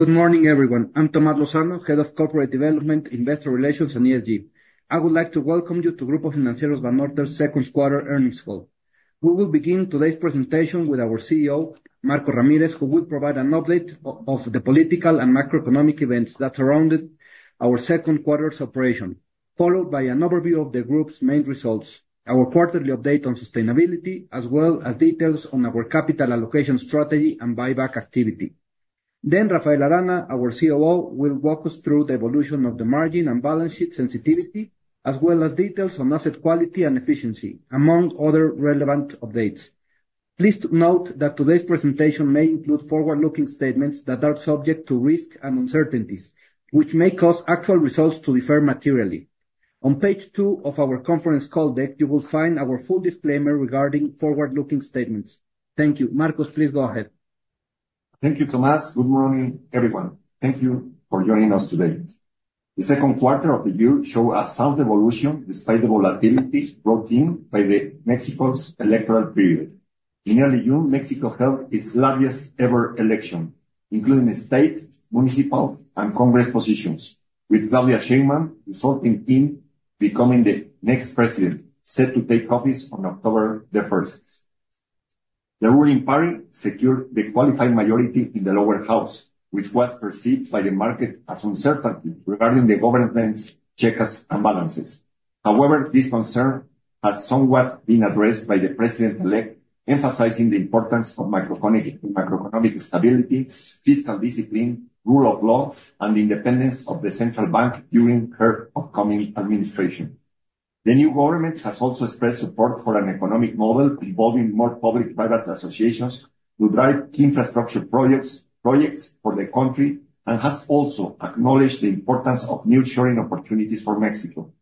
Good morning, everyone. I'm Tomás Lozano, Head of Corporate Development, Investor Relations, and ESG. I would like to welcome you to Grupo Financiero Banorte's second quarter earnings call. We will begin today's presentation with our CEO, Marcos Ramírez, who will provide an update of the political and macroeconomic events that surrounded our second quarter's operation, followed by an overview of the group's main results, our quarterly update on sustainability, as well as details on our capital allocation strategy and buyback activity. Then Rafael Arana, our COO, will walk us through the evolution of the margin and balance sheet sensitivity, as well as details on asset quality and efficiency, among other relevant updates. Please note that today's presentation may include forward-looking statements that are subject to risk and uncertainties, which may cause actual results to differ materially. On page two of our conference call deck, you will find our full disclaimer regarding forward-looking statements. Thank you. Marcos, please go ahead. Thank you, Tomás. Good morning, everyone. Thank you for joining us today. The second quarter of the year showed a sound evolution despite the volatility brought in by Mexico's electoral period. In early June, Mexico held its largest ever election, including the state, municipal, and Congress positions, with Claudia Sheinbaum resulting in becoming the next president, set to take office on October the 1st. The ruling party secured the qualifying majority in the lower house, which was perceived by the market as uncertainty regarding the government's checks and balances. However, this concern has somewhat been addressed by the president-elect, emphasizing the importance of microeconomic, macroeconomic stability, fiscal discipline, rule of law, and the independence of the central bank during her upcoming administration. The new government has also expressed support for an economic model involving more public-private associations to drive infrastructure projects, projects for the country, and has also acknowledged the importance of nearshoring opportunities for Mexico.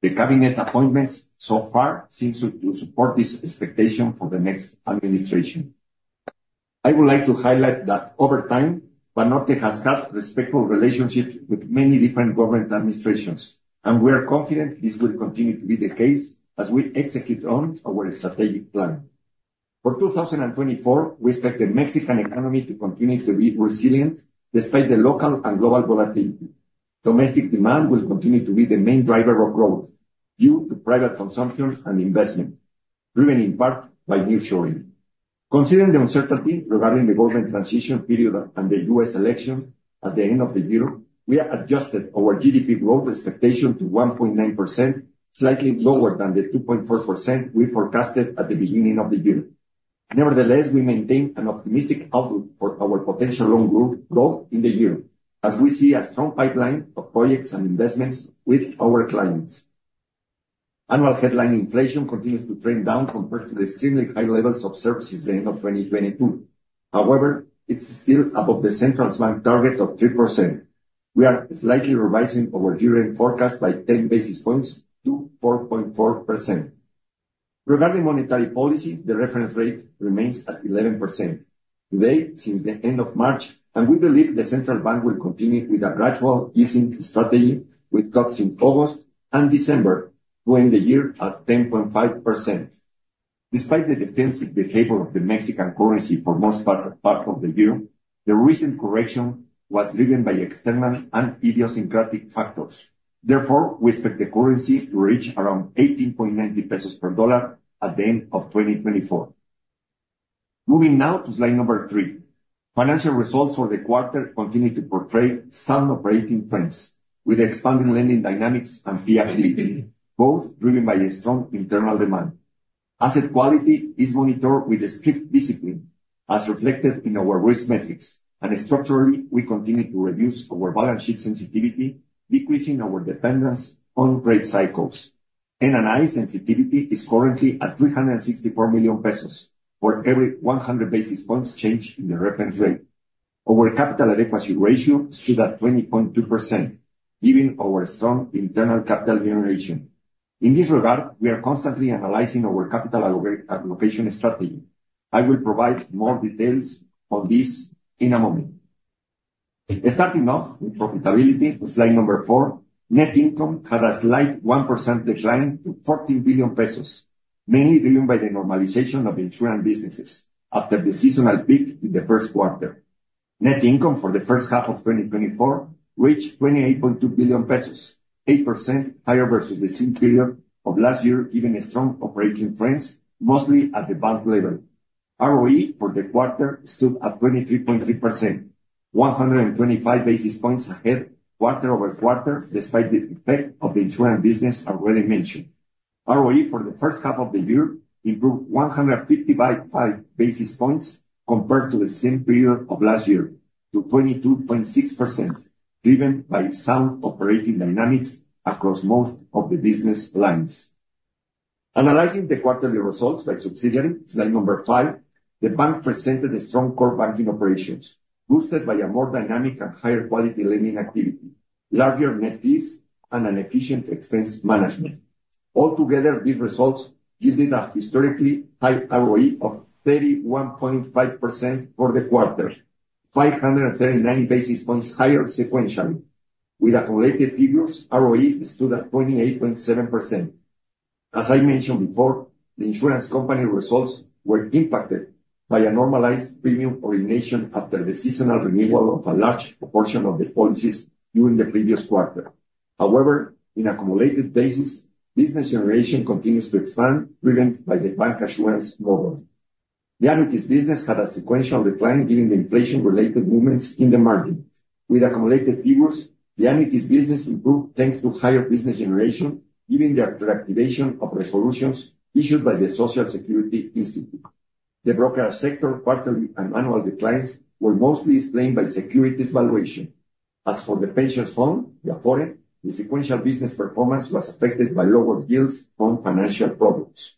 The cabinet appointments so far seems to support this expectation for the next administration. I would like to highlight that over time, Banorte has had respectful relationships with many different government administrations, and we are confident this will continue to be the case as we execute on our strategic plan. For 2024, we expect the Mexican economy to continue to be resilient, despite the local and global volatility. Domestic demand will continue to be the main driver of growth, due to private consumption and investment, driven in part by nearshoring. Considering the uncertainty regarding the government transition period and the U.S. election at the end of the year, we have adjusted our GDP growth expectation to 1.9%, slightly lower than the 2.4% we forecasted at the beginning of the year. Nevertheless, we maintain an optimistic outlook for our potential long growth, growth in the year, as we see a strong pipeline of projects and investments with our clients. Annual headline inflation continues to trend down compared to the extremely high levels of services at the end of 2022. However, it's still above the central bank target of 3%. We are slightly revising our year-end forecast by 10 basis points to 4.4%. Regarding monetary policy, the reference rate remains at 11%. Today, since the end of March, and we believe the central bank will continue with a gradual easing strategy, with cuts in August and December, to end the year at 10.5%. Despite the defensive behavior of the Mexican currency for most of the year, the recent correction was driven by external and idiosyncratic factors. Therefore, we expect the currency to reach around 18.90 pesos per dollar at the end of 2024. Moving now to slide number three. Financial results for the quarter continue to portray sound operating trends with expanding lending dynamics and fee activity, both driven by a strong internal demand. Asset quality is monitored with a strict discipline, as reflected in our risk metrics. Structurally, we continue to reduce our balance sheet sensitivity, decreasing our dependence on rate cycles. NII sensitivity is currently at 364 million pesos for every 100 basis points change in the reference rate. Our capital adequacy ratio stood at 20.2%, giving our strong internal capital generation. In this regard, we are constantly analyzing our capital allocation strategy. I will provide more details on this in a moment. Starting off with profitability, on slide four, net income had a slight 1% decline to 14 billion pesos, mainly driven by the normalization of insurance businesses after the seasonal peak in the first quarter. Net income for the first half of 2024 reached 28.2 billion pesos, 8% higher versus the same period of last year, giving a strong operating trends, mostly at the bank level. ROE for the quarter stood at 23.3%, 125 basis points ahead quarter-over-quarter, despite the effect of the insurance business already mentioned. ROE for the first half of the year improved 155 basis points compared to the same period of last year, to 22.6%, driven by sound operating dynamics across most of the business lines. Analyzing the quarterly results by subsidiary, slide number five, the bank presented a strong core banking operations, boosted by a more dynamic and higher quality lending activity, larger net fees, and an efficient expense management. Altogether, these results yielded a historically high ROE of 31.5% for the quarter, 539 basis points higher sequentially. With accumulated figures, ROE stood at 28.7%.As I mentioned before, the insurance company results were impacted by a normalized premium origination after the seasonal renewal of a large proportion of the policies during the previous quarter. However, in accumulated basis, business generation continues to expand, driven by the bank assurance model. The annuities business had a sequential decline, given the inflation related movements in the market. With accumulated figures, the annuities business improved, thanks to higher business generation, given the activation of resolutions issued by the Social Security Institute. The broker sector, quarterly and annual declines were mostly explained by securities valuation. As for the pension fund, the sequential business performance was affected by lower yields on financial products.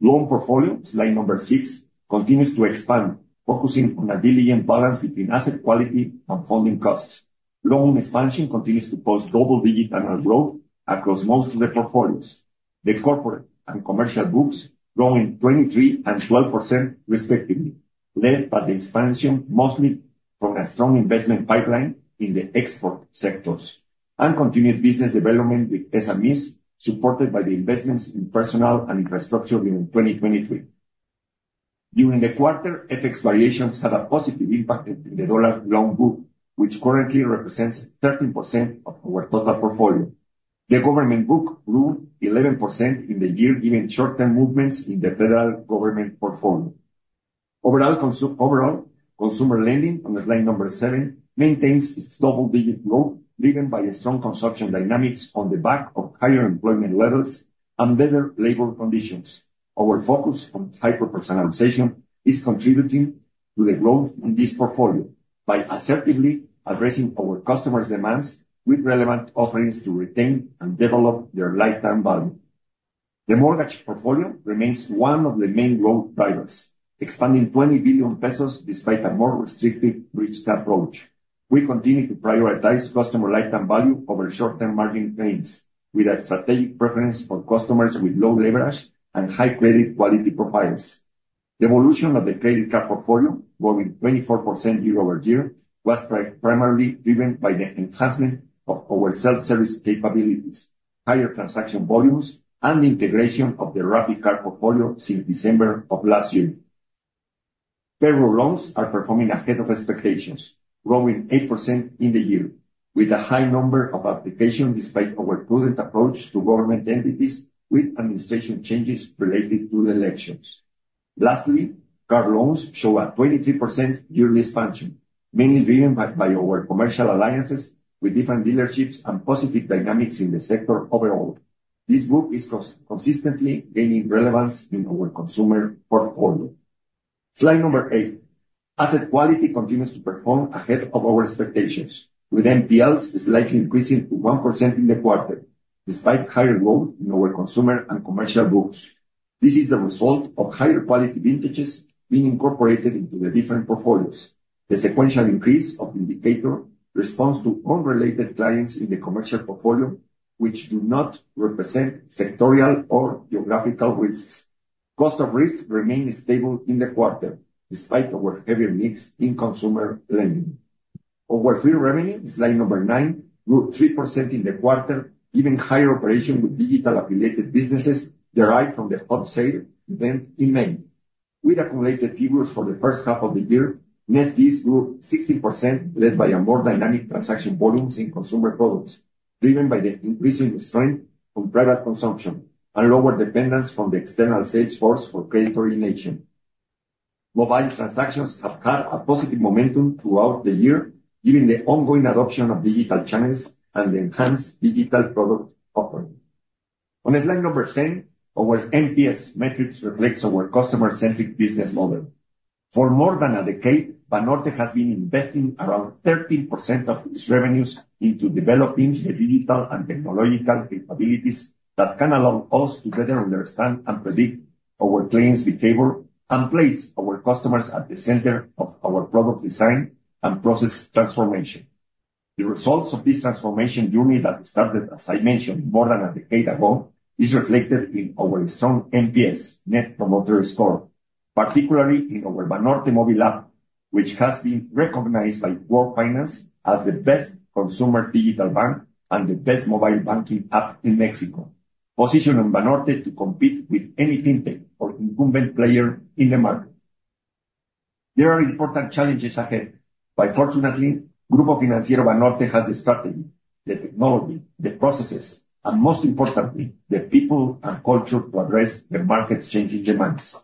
Loan portfolio, slide number six, continues to expand, focusing on a diligent balance between asset quality and funding costs. Loan expansion continues to post double-digit annual growth across most of the portfolios. The corporate and commercial groups growing 23% and 12% respectively, led by the expansion mostly from a strong investment pipeline in the export sectors, and continued business development with SMEs, supported by the investments in personnel and infrastructure during 2023. During the quarter, FX variations had a positive impact in the dollar loan book, which currently represents 13% of our total portfolio. The government book grew 11% in the year, given short-term movements in the federal government portfolio. Overall, overall, consumer lending, on slide number seven, maintains its double-digit growth, driven by a strong consumption dynamics on the back of higher employment levels and better labor conditions. Our focus on hyperpersonalization is contributing to the growth in this portfolio by assertively addressing our customers' demands with relevant offerings to retain and develop their lifetime value. The mortgage portfolio remains one of the main growth drivers, expanding 20 billion pesos despite a more restrictive risk approach. We continue to prioritize customer lifetime value over short-term margin gains, with a strategic preference for customers with low leverage and high credit quality profiles. The evolution of the credit card portfolio, growing 24% year-over-year, was primarily driven by the enhancement of our self-service capabilities, higher transaction volumes, and the integration of the RappiCard portfolio since December of last year. Payroll loans are performing ahead of expectations, growing 8% in the year, with a high number of applications, despite our prudent approach to government entities with administration changes related to the elections. Lastly, car loans show a 23% yearly expansion, mainly driven by our commercial alliances with different dealerships and positive dynamics in the sector overall. This group is consistently gaining relevance in our consumer portfolio. Slide number eight. Asset quality continues to perform ahead of our expectations, with NPLs slightly increasing to 1% in the quarter, despite higher growth in our consumer and commercial books. This is the result of higher quality vintages being incorporated into the different portfolios. The sequential increase of indicator responds to unrelated clients in the commercial portfolio, which do not represent sectorial or geographical risks. Cost of risk remained stable in the quarter, despite our heavier mix in consumer lending. Our fee revenue, in slide number nine, grew 3% in the quarter, given higher operation with digital affiliated businesses derived from the Hot Sale event in May. With accumulated figures for the first half of the year, net fees grew 16%, led by a more dynamic transaction volumes in consumer products, driven by the increasing strength from private consumption and lower dependence from the external sales force for credit origination. Mobile transactions have had a positive momentum throughout the year, given the ongoing adoption of digital channels and the enhanced digital product offering. On slide number 10, our NPS metrics reflects our customer-centric business model. For more than a decade, Banorte has been investing around 13% of its revenues into developing the digital and technological capabilities that can allow us to better understand and predict our clients' behavior and place our customers at the center of our product design and process transformation. The results of this transformation journey that started, as I mentioned, more than a decade ago, is reflected in our strong NPS, Net Promoter Score, particularly in our Banorte Móvil app, which has been recognized by World Finance as the best consumer digital bank and the best mobile banking app in Mexico, positioning Banorte to compete with any fintech or incumbent player in the market. There are important challenges ahead, but fortunately, Grupo Financiero Banorte has the strategy, the technology, the processes, and most importantly, the people and culture to address the market's changing demands.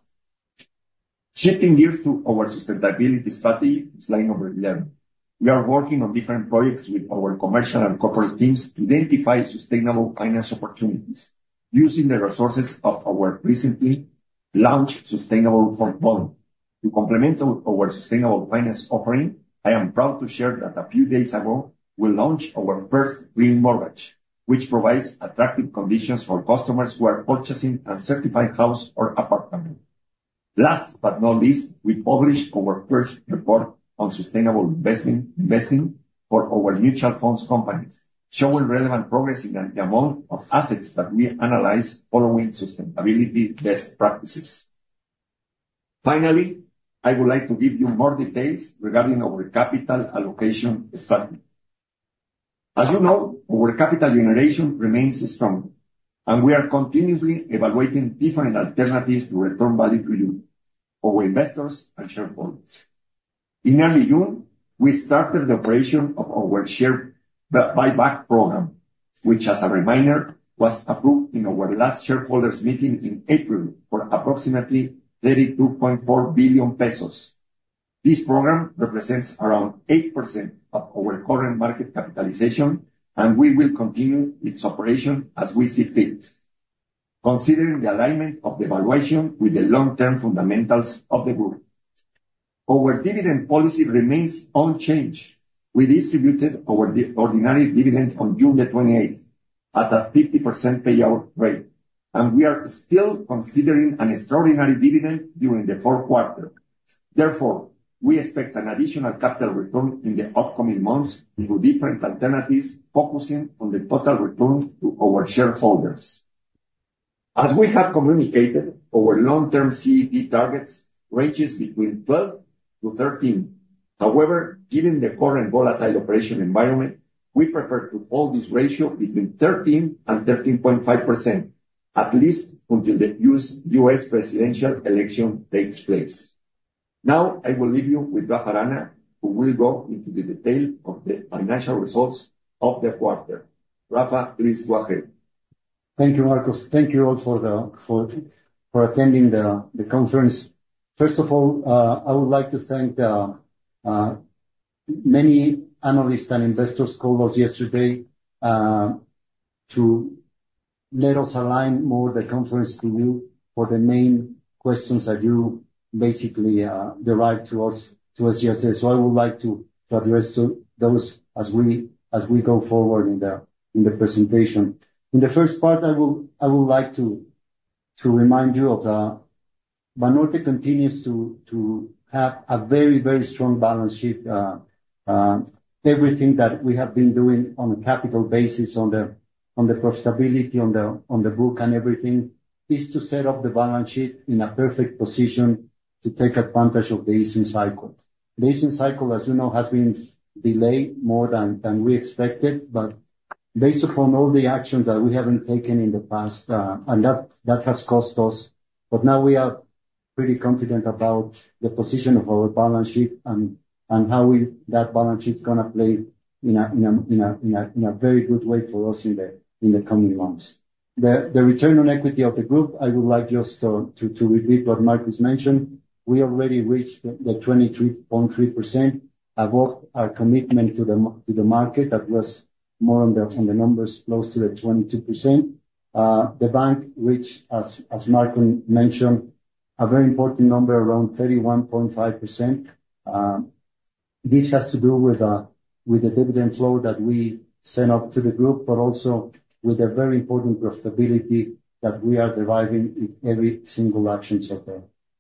Shifting gears to our sustainability strategy, slide number 11. We are working on different projects with our commercial and corporate teams to identify sustainable finance opportunities using the resources of our recently launched sustainable platform. To complement our sustainable finance offering, I am proud to share that a few days ago, we launched our first Green Mortgage, which provides attractive conditions for customers who are purchasing a certified house or apartment. Last but not least, we published our first report on sustainable investing for our mutual funds companies, showing relevant progress in the amount of assets that we analyze following sustainability best practices. Finally, I would like to give you more details regarding our capital allocation strategy. As you know, our capital generation remains strong, and we are continuously evaluating different alternatives to return value to you, our investors and shareholders. In early June, we started the operation of our share buyback program, which, as a reminder, was approved in our last shareholders meeting in April for approximately 32.4 billion pesos. This program represents around 8% of our current market capitalization, and we will continue its operation as we see fit, considering the alignment of the valuation with the long-term fundamentals of the group. Our dividend policy remains unchanged. We distributed our ordinary dividend on June 28th, at a 50% payout rate, and we are still considering an extraordinary dividend during the fourth quarter. Therefore, we expect an additional capital return in the upcoming months through different alternatives, focusing on the total return to our shareholders. As we have communicated, our long-term CET targets ranges between 12-13. However, given the current volatile operating environment, we prefer to hold this ratio between 13% and 13.5%, at least until the U.S. presidential election takes place. Now I will leave you with Rafa Arana, who will go into the detail of the financial results of the quarter. Rafa, please go ahead. Thank you, Marcos. Thank you all for attending the conference. First of all, I would like to thank the many analysts and investors who called yesterday to let us align more the conference to you for the main questions that you basically derived to us yesterday. So I would like to address to those as we go forward in the presentation. In the first part, I would like to remind you of the Banorte continues to have a very strong balance sheet. Everything that we have been doing on a capital basis, on the profitability, on the book and everything, is to set up the balance sheet in a perfect position to take advantage of the easing cycle. The easing cycle, as you know, has been delayed more than we expected, but based upon all the actions that we haven't taken in the past, and that has cost us, but now we are pretty confident about the position of our balance sheet and how that balance sheet is gonna play in a very good way for us in the coming months. The return on equity of the group, I would like just to repeat what Marcos mentioned. We already reached the 23.3% about our commitment to the market. That was more on the numbers, close to the 22%. The bank, which as Marcos mentioned, a very important number, around 31.5%. This has to do with the dividend flow that we send up to the group, but also with a very important profitability that we are deriving in every single actions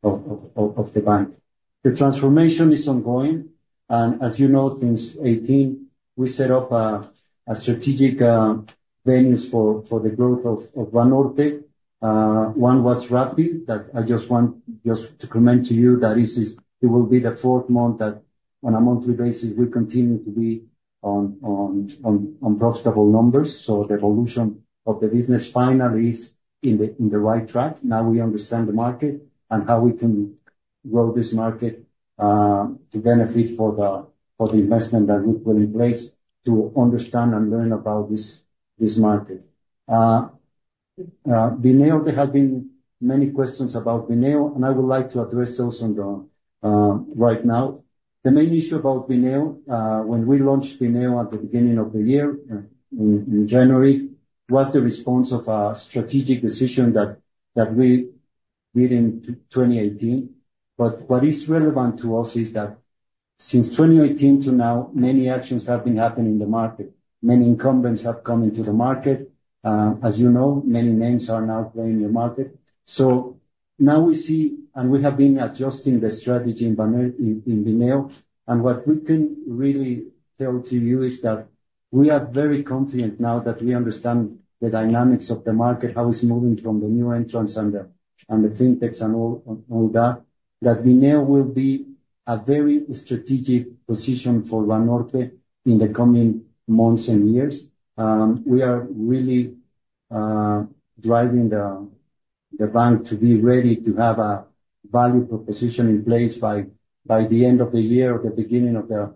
of the bank. The transformation is ongoing, and as you know, since 2018, we set up a strategic plans for the growth of Banorte. One was Rappi, that I just want just to comment to you, that is, it will be the fourth month that on a monthly basis, we continue to be on profitable numbers. So the evolution of the business finally is in the right track. Now we understand the market and how we can grow this market to benefit for the investment that we put in place to understand and learn about this market., there have been many questions about Bineo, and I would like to address those right now. The main issue about Bineo, when we launched Bineo at the beginning of the year, in January, was the response of a strategic decision that we made in 2018. But what is relevant to us is that since 2018 to now, many actions have been happening in the market. Many incumbents have come into the market. As you know, many names are now playing in the market. So now we see, and we have been adjusting the strategy in Bineo, and what we can really tell to you is that we are very confident now that we understand the dynamics of the market, how it's moving from the new entrants and the fintechs and all that, that Bineo will be a very strategic position for Banorte in the coming months and years. We are really driving the bank to be ready to have a value proposition in place by the end of the year or the beginning of the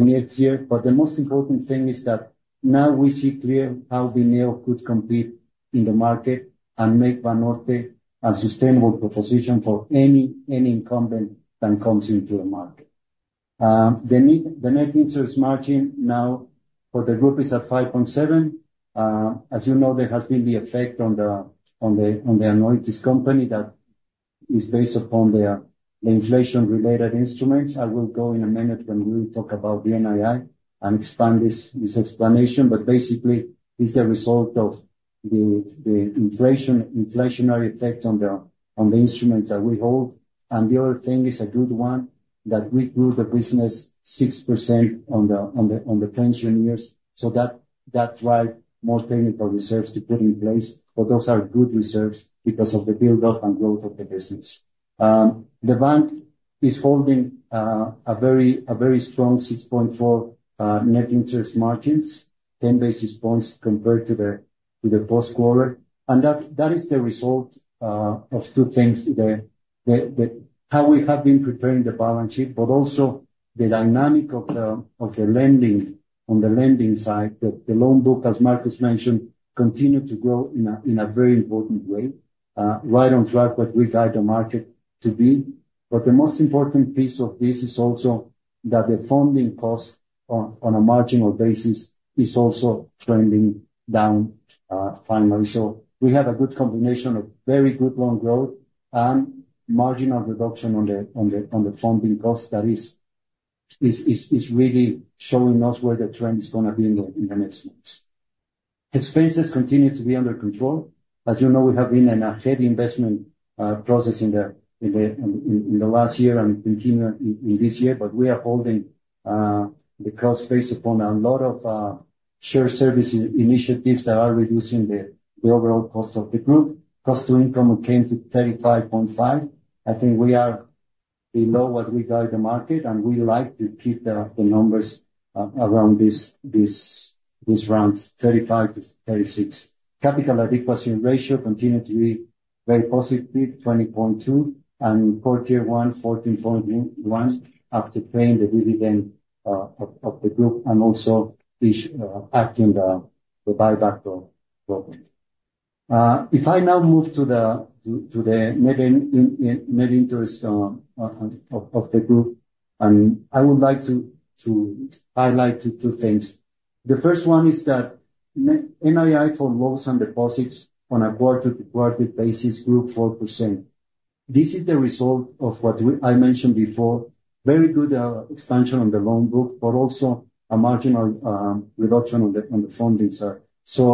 next year. But the most important thing is that now we see clear how Bineo could compete in the market and make Banorte a sustainable proposition for any incumbent that comes into the market. The net interest margin now for the group is at 5.7%. As you know, there has been the effect on the annuities company that is based upon the inflation-related instruments. I will go in a minute when we talk about the NII and expand this explanation, but basically, it's the result of the inflationary effect on the instruments that we hold. And the other thing is a good one, that we grew the business 6% on the Pensiones, so that drives more technical reserves to put in place, but those are good reserves because of the build-up and growth of the business. The bank is holding a very strong 6.4 net interest margins, 10 basis points compared to the first quarter. And that's, that is the result of two things. The how we have been preparing the balance sheet, but also the dynamic of the lending on the lending side. The loan book, as Marcos mentioned, continued to grow in a very important way, right on track with what we guide the market to be. But the most important piece of this is also that the funding cost on a marginal basis is also trending down, finally. So we have a good combination of very good loan growth and marginal reduction on the funding cost that is really showing us where the trend is gonna be in the next months. Expenses continue to be under control. As you know, we have been in a heavy investment process in the last year and continue in this year. But we are holding the cost base upon a lot of shared service initiatives that are reducing the overall cost of the group. Cost to income came to 35.5. I think we are below what we guide the market, and we like to keep the numbers around this range, 35-36. Capital adequacy ratio continued to be very positive, 20.2, and core Tier One, 14.1, after paying the dividend of the group, and also is acting the buyback of group. If I now move to the net interest of the group, and I would like to highlight two things. The first one is that NII for loans and deposits on a quarter-to-quarter basis, grew 4%. This is the result of what I mentioned before, very good expansion on the loan book, but also a marginal reduction on the funding side. So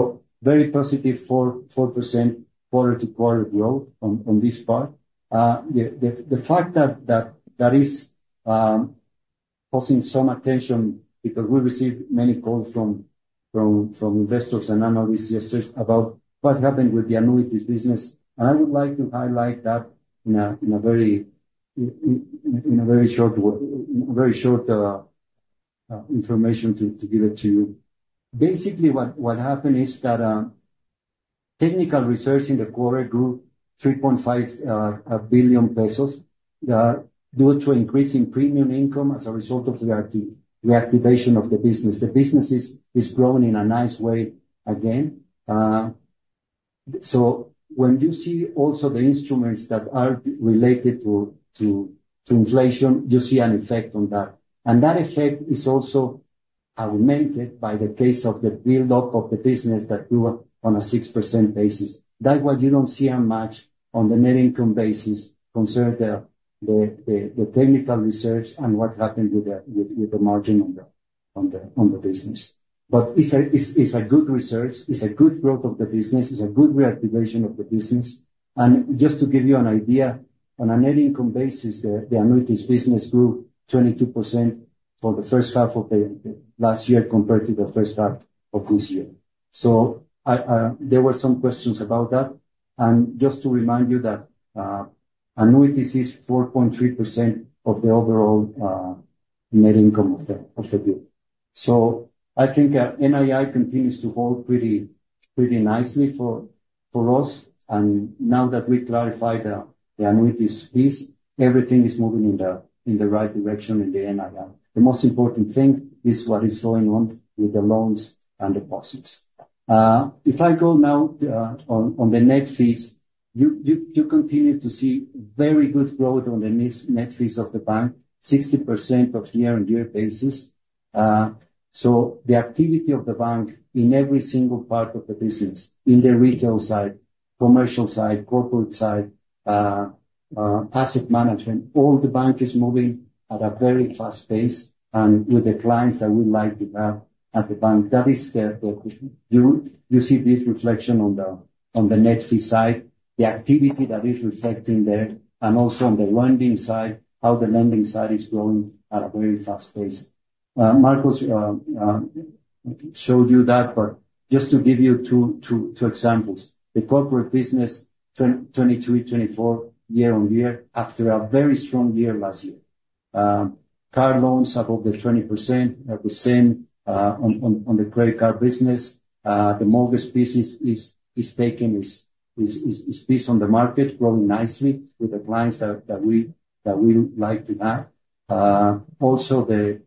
very positive 4% quarter-to-quarter growth on this part. The fact that is causing some attention, because we received many calls from investors and analysts yesterday about what happened with the annuities business. I would like to highlight that in a very short word, very short information to give it to you. Basically, what happened is that technical reserves in the quarter grew 3.5 billion pesos due to increase in premium income as a result of the reactivation of the business. The business is growing in a nice way again. So when you see also the instruments that are related to inflation, you see an effect on that. And that effect is also augmented by the case of the build-up of the business that grew on a 6% basis. That's what you don't see much on the net income basis concerning the technical reserves and what happened with the margin on the business. But it's a good reserves, it's a good growth of the business, it's a good reactivation of the business. And just to give you an idea, on a net income basis, the annuities business grew 22% for the first half of the last year compared to the first half of this year. So there were some questions about that. And just to remind you that annuities is 4.3% of the overall net income of the group. So I think that NII continues to hold pretty nicely for us. Now that we clarified the annuities piece, everything is moving in the right direction in the NII. The most important thing is what is going on with the loans and deposits. If I go now on the net fees, you continue to see very good growth on the net fees of the bank, 60% on year-over-year basis. So the activity of the bank in every single part of the business, in the retail side, commercial side, corporate side, asset management, all the bank is moving at a very fast pace, and with the clients that we like to have at the bank, that is the—you see this reflection on the net fees side, the activity that is reflecting there, and also on the lending side, how the lending side is growing at a very fast pace. Marcos showed you that, but just to give you two examples. The corporate business, 22-24 year-on-year, after a very strong year last year. Car loans above 20%, the same on the credit card business. The mortgage business is taking its piece on the market, growing nicely with the clients that we like to have. Also the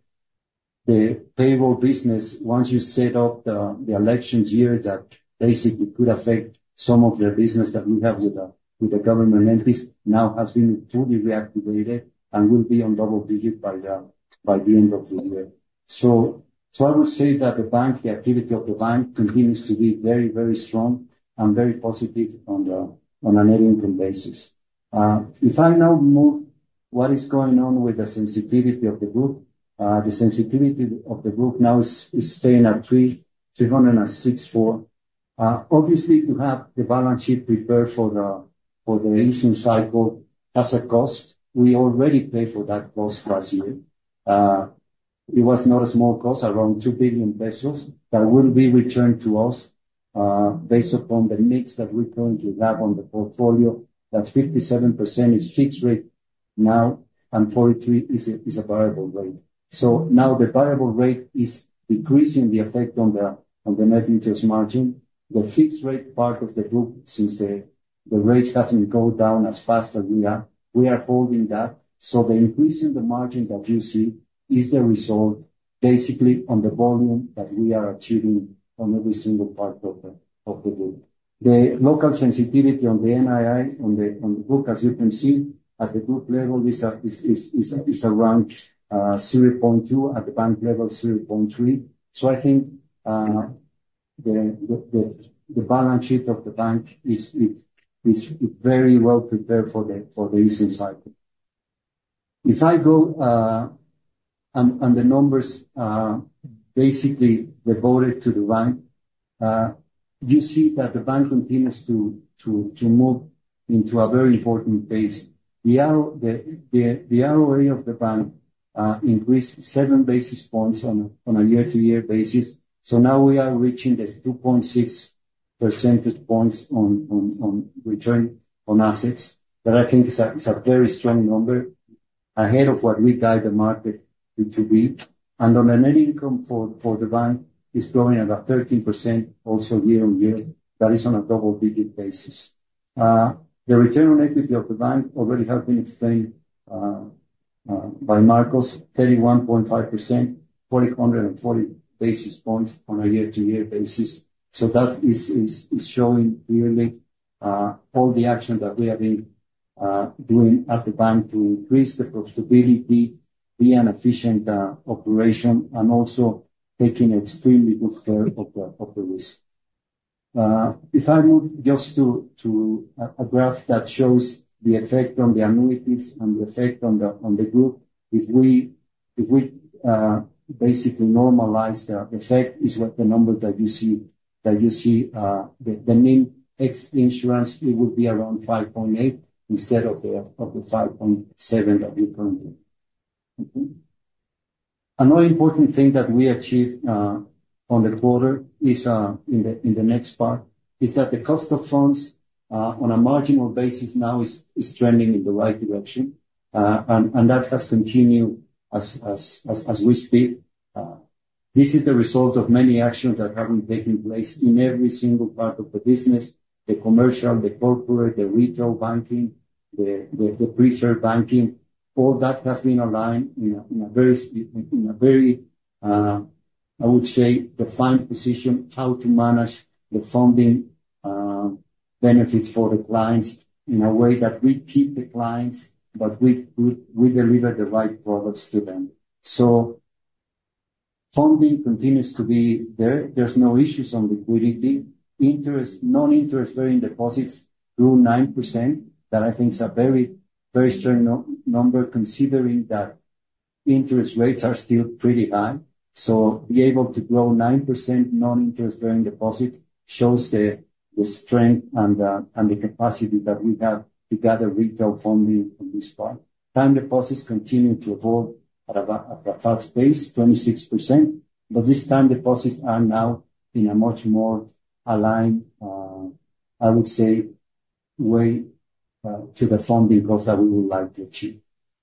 payroll business, once you set up the elections year, that basically could affect some of the business that we have with the government entities, now has been fully reactivated and will be on double digit by the end of the year. So I would say that the bank, the activity of the bank continues to be very strong and very positive on a net income basis. If I now move what is going on with the sensitivity of the group, the sensitivity of the group now is staying at [364] Obviously, to have the balance sheet prepared for the, for the easing cycle has a cost. We already paid for that cost last year. It was not a small cost, around 2 billion pesos, that will be returned to us, based upon the mix that we're going to have on the portfolio. That 57% is fixed rate now, and 43% is a, is a variable rate. So now the variable rate is decreasing the effect on the, on the net interest margin. The fixed rate part of the group, since the, the rate doesn't go down as fast as we are, we are holding that. So the increase in the margin that you see is the result, basically, on the volume that we are achieving on every single part of the, of the group. The local sensitivity on the NII, on the book, as you can see, at the group level, this is around 0.2, at the bank level, 0.3. So I think the balance sheet of the bank is very well prepared for the easing cycle. If I go on the numbers, basically devoted to the bank, you see that the bank continues to move into a very important phase. The ROA of the bank increased seven basis points on a year-to-year basis, so now we are reaching 2.6 percentage points on return on assets. That I think is a very strong number, ahead of what we guide the market it to be. On the net income for the bank is growing at about 13%, also year-over-year. That is on a double-digit basis. The return on equity of the bank already have been explained by Marcos, 31.5%, 440 basis points on a year-to-year basis. So that is showing really all the action that we have been doing at the bank to increase the profitability, be an efficient operation, and also taking extremely good care of the risk. If I move just to a graph that shows the effect on the annuities and the effect on the group, if we basically normalize the effect, is what the number that you see, the NIM ex insurance, it would be around 5.8 instead of the 5.7 that we pointed. Mm-hmm. Another important thing that we achieved on the quarter is, in the next part, is that the cost of funds on a marginal basis now is trending in the right direction. And that has continued as we speak. This is the result of many actions that have been taking place in every single part of the business, the commercial, the corporate, the retail banking, the preferred banking. All that has been aligned in a very, I would say, defined position, how to manage the funding, benefits for the clients in a way that we keep the clients, but we, we, we deliver the right products to them. So funding continues to be there. There's no issues on liquidity. Interest, non-interest-bearing deposits grew 9%. That I think is a very, very strong number, considering that interest rates are still pretty high. So be able to grow 9% non-interest-bearing deposit shows the, the strength and the, and the capacity that we have to gather retail funding from this part. Time deposits continue to evolve at a fast pace, 26%, but this time, deposits are now in a much more aligned, I would say, way to the funding costs that we would like to achieve.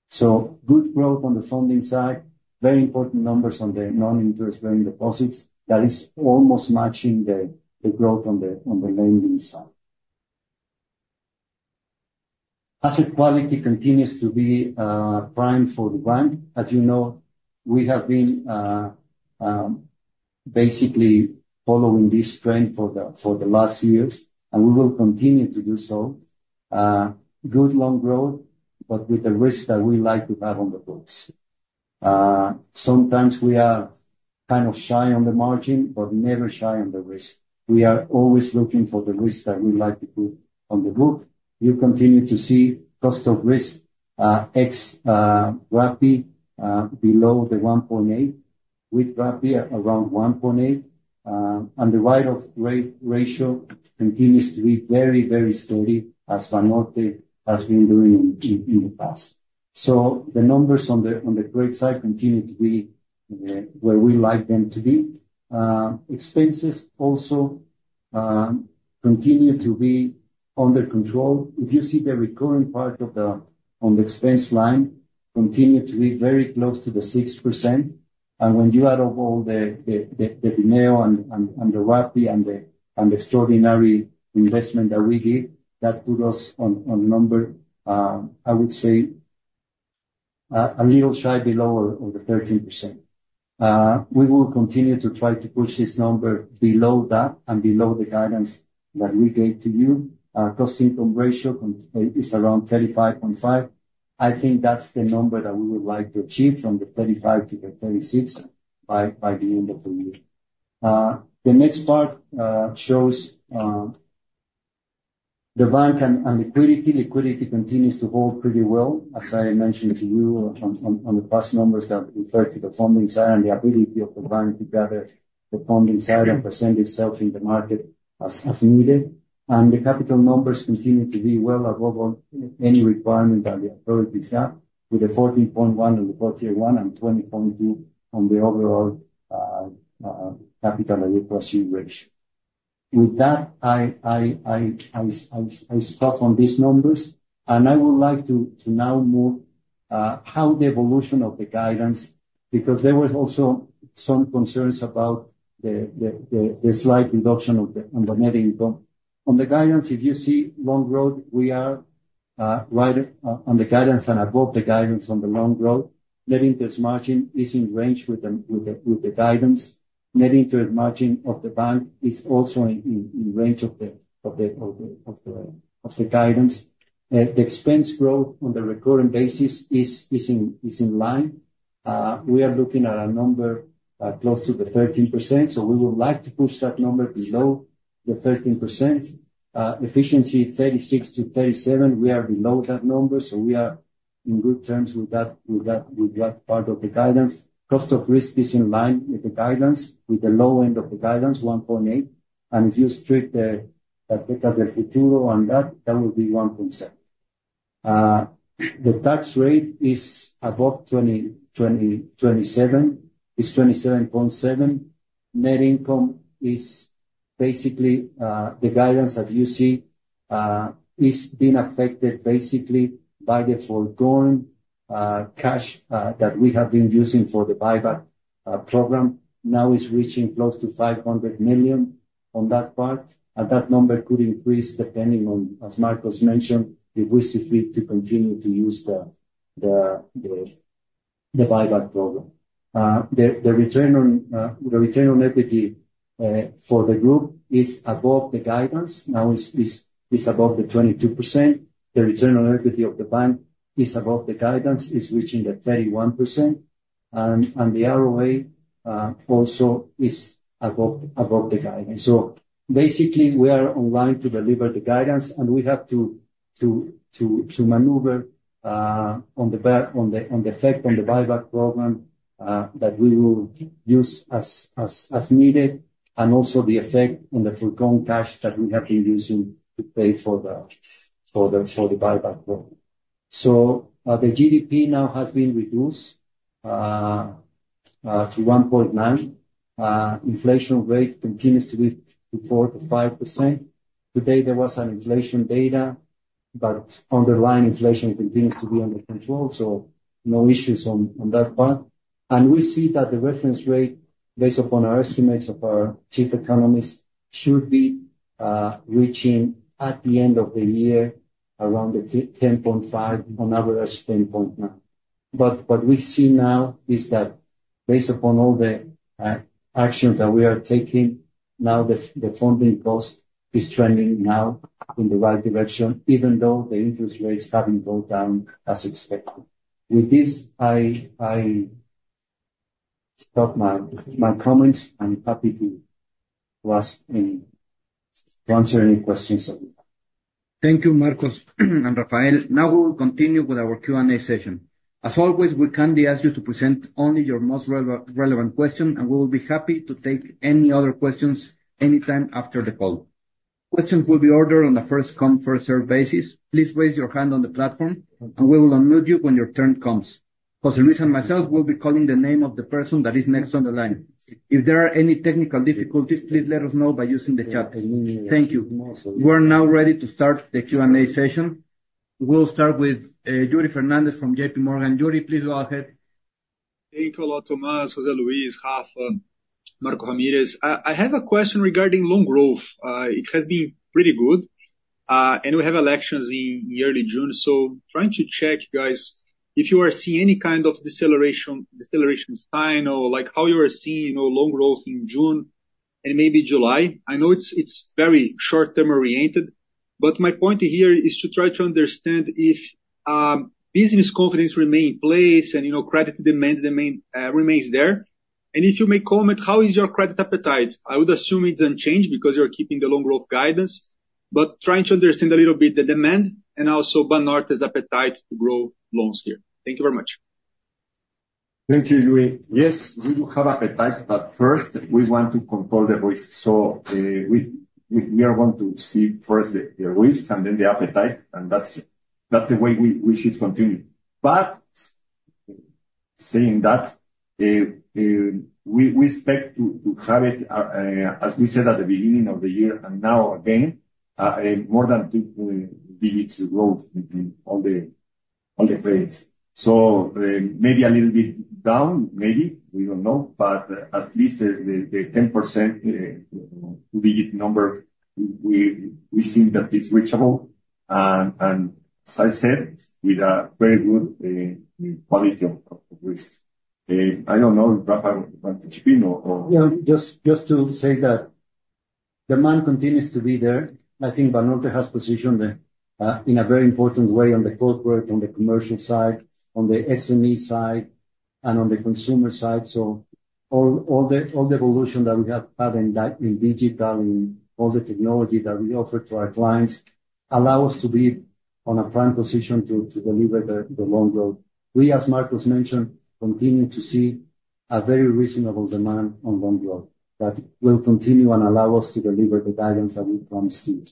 So good growth on the funding side, very important numbers on the non-interest-bearing deposits. That is almost matching the growth on the lending side. Asset quality continues to be prime for the bank. As you know, we have been basically following this trend for the last years, and we will continue to do so. Good loan growth, but with the risk that we like to have on the books. Sometimes we are kind of shy on the margin, but never shy on the risk. We are always looking for the risk that we like to put on the book. You continue to see cost of risk ex Rappi below the 1.8, with Rappi around 1.8. And the write-off rate ratio continues to be very, very steady, as Banorte has been doing in the past. So the numbers on the credit side continue to be where we like them to be. Expenses also continue to be under control. If you see the recurring part of the expense line continue to be very close to the 6%, and when you add up all the Bineo and the Rappi and the extraordinary investment that we did, that put us on number, I would say, a little shy below of the 13%. We will continue to try to push this number below that and below the guidance that we gave to you. Our cost income ratio is around 35.5. I think that's the number that we would like to achieve, from 35 to 36, by the end of the year. The next part shows the bank and liquidity continues to hold pretty well. As I mentioned to you on the past numbers that refer to the funding side and the ability of the bank to gather the funding side and present itself in the market as needed. The capital numbers continue to be well above any requirement that the authorities have, with a 14.1 in Core Tier 1, and 20.2 on the overall capital adequacy ratio. With that, I stop on these numbers, and I would like to now move to how the evolution of the guidance, because there were also some concerns about the slight reduction on the net income. On the guidance, if you see loan growth, we are right on the guidance and above the guidance on the loan growth. Net interest margin is in range with the guidance. Net interest margin of the bank is also in range of the guidance. The expense growth on the recurring basis is in line. We are looking at a number close to the 13%, so we would like to push that number below the 13%. Efficiency, 36-37, we are below that number, so we are in good terms with that, with that, with that part of the guidance. Cost of risk is in line with the guidance, with the low end of the guidance, 1.8. And if you strip on that, that would be 1.7. The tax rate is above 20-27. It's 27.7. Net income is basically the guidance that you see is being affected basically by the foregoing cash that we have been using for the buyback program. Now, it's reaching close to 500 million on that part, and that number could increase depending on, as Marcos mentioned, if we submit to continue to use the buyback program. The return on equity for the group is above the guidance. Now, it's above the 22%. The return on equity of the bank is above the guidance, it's reaching the 31%. And the ROA also is above the guidance. So basically, we are on line to deliver the guidance, and we have to maneuver on the back on the effect on the buyback program that we will use as needed, and also the effect on the foregone cash that we have been using to pay for the buyback program. So, the GDP now has been reduced to 1.9. Inflation rate continues to be 4%-5%. Today, there was an inflation data, but underlying inflation continues to be under control, so no issues on that part. We see that the reference rate, based upon our estimates of our chief economist, should be reaching at the end of the year, around 10-10.5, on average, 10.9. But what we see now is that based upon all the actions that we are taking, now the funding cost is trending now in the right direction, even though the interest rates haven't gone down as expected. With this, I stop my comments. I'm happy to ask any, answer any questions that you have. Thank you, Marcos and Rafael. Now, we will continue with our Q&A session. As always, we kindly ask you to present only your most relevant question, and we will be happy to take any other questions anytime after the call. Questions will be ordered on a first-come, first-served basis. Please raise your hand on the platform, and we will unmute you when your turn comes. José Luis and myself will be calling the name of the person that is next on the line. If there are any technical difficulties, please let us know by using the chat. Thank you. We're now ready to start the Q&A session. We'll start with Yuri Fernandes from JPMorgan. Yuri, please go ahead. Thank you a lot, Tomás, José Luis, Rafa, Marcos Ramírez. I have a question regarding loan growth. It has been pretty good, and we have elections in early June. So trying to check, guys, if you are seeing any kind of deceleration, deceleration sign or, like, how you are seeing, you know, loan growth in June and maybe July? I know it's, it's very short-term oriented, but my point here is to try to understand if, business confidence remain in place and, you know, credit demand remain, remains there. And if you may comment, how is your credit appetite? I would assume it's unchanged because you're keeping the loan growth guidance, but trying to understand a little bit the demand and also Banorte's appetite to grow loans here. Thank you very much. Thank you, Yuri. Yes, we do have appetite, but first, we want to control the risk. So, we are going to see first the risk and then the appetite, and that's the way we should continue. But saying that, we expect to have it, as we said at the beginning of the year, and now again, a more than two digits growth in all the credits. So, maybe a little bit down, maybe, we don't know, but at least the 10% digit number, we think that it's reachable, and as I said, with a very good quality of risk. I don't know, Rafael, you want to chip in or? Yeah, just to say that demand continues to be there. I think Banorte has positioned in a very important way on the corporate, on the commercial side, on the SME side, and on the consumer side. So all, all the, all the evolution that we have had in digital, in all the technology that we offer to our clients, allow us to be on a prime position to deliver the loan growth. We, as Marcos mentioned, continue to see a very reasonable demand on loan growth that will continue and allow us to deliver the guidance that we promised you.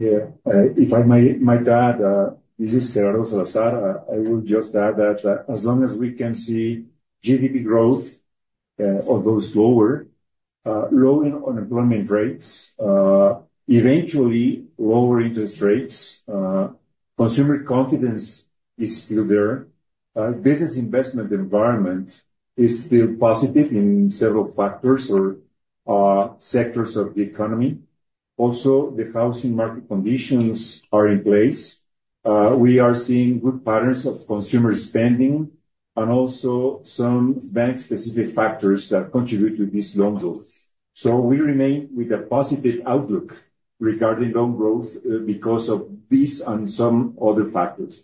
Yeah, if I may, might add, this is Gerardo Salazar. I will just add that, as long as we can see GDP growth, although slower, lowering unemployment rates, eventually lower interest rates, consumer confidence is still there. Business investment environment is still positive in several factors or, sectors of the economy. Also, the housing market conditions are in place. We are seeing good patterns of consumer spending and also some bank-specific factors that contribute to this loan growth. So we remain with a positive outlook regarding loan growth, because of this and some other factors.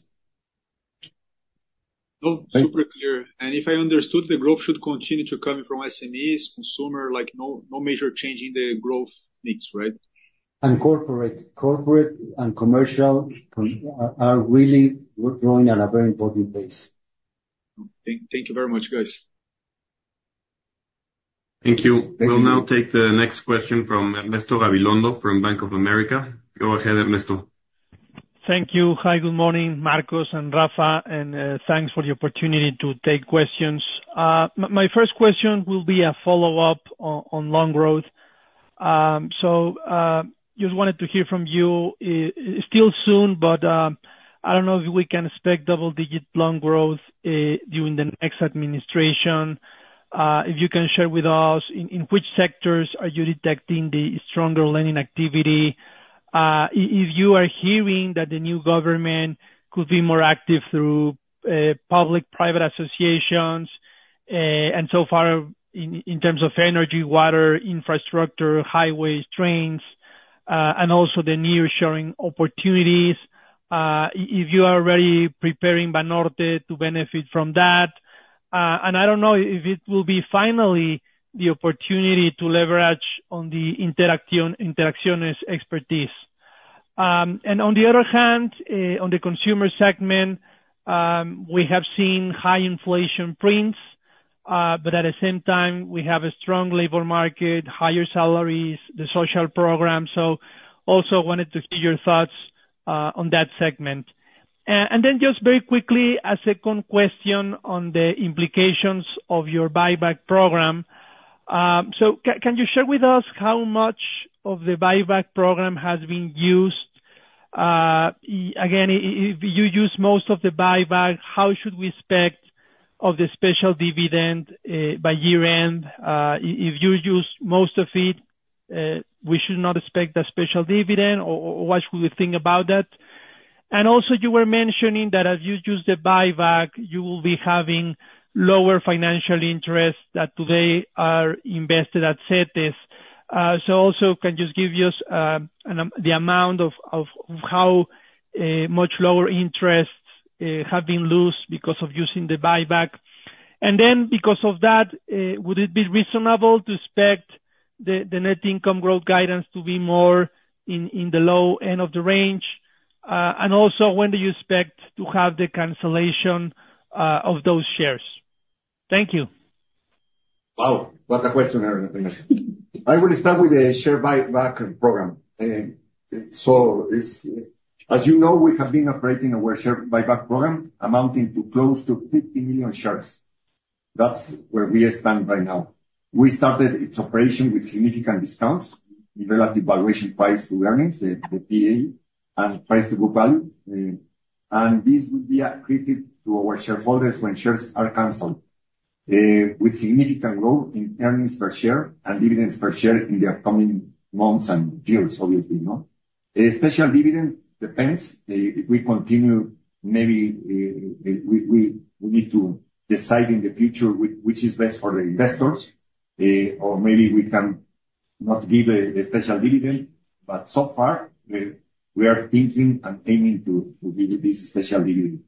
No, super clear. And if I understood, the growth should continue to come from SMEs, consumer, like, no, no major change in the growth mix, right? Corporate. Corporate and commercial are really growing at a very important pace. Thank you very much, guys. Thank you. We'll now take the next question from Ernesto Gabilondo from Bank of America. Go ahead, Ernesto. Thank you. Hi, good morning, Marcos and Rafa, and thanks for the opportunity to take questions. My first question will be a follow-up on loan growth. So, just wanted to hear from you, still soon, but I don't know if we can expect double-digit loan growth during the next administration. If you can share with us, in which sectors are you detecting the stronger lending activity? If you are hearing that the new government could be more active through public-private associations, and so far, in terms of energy, water, infrastructure, highways, trains, and also the nearshoring opportunities, if you are already preparing Banorte to benefit from that. And I don't know if it will be finally the opportunity to leverage on the Interacción, Interacciones expertise. On the other hand, on the consumer segment, we have seen high inflation prints, but at the same time, we have a strong labor market, higher salaries, the social program. Also wanted to hear your thoughts on that segment. And then, just very quickly, a second question on the implications of your buyback program. So can you share with us how much of the buyback program has been used? Again, if you use most of the buyback, how should we expect of the special dividend by year-end? If you use most of it, we should not expect that special dividend, or what should we think about that? And also, you were mentioning that as you use the buyback, you will be having lower financial interest that today are invested at CETES. So also, can you just give us the amount of how much lower interest have been lost because of using the buyback? And then because of that, would it be reasonable to expect the net income growth guidance to be more in the low end of the range? And also, when do you expect to have the cancellation of those shares? Thank you. Wow! What a question, Ernesto. I will start with the share buyback program. So it's... As you know, we have been operating our share buyback program amounting to close to 50 million shares. That's where we stand right now. We started its operation with significant discounts, relative valuation price to earnings, the, the PE, and price to book value. And this will be accretive to our shareholders when shares are canceled, with significant growth in earnings per share and dividends per share in the upcoming months and years, obviously, no? A special dividend depends if we continue, maybe, we need to decide in the future which is best for the investors. Or maybe we can not give a special dividend, but so far, we are thinking and aiming to give you this special dividend.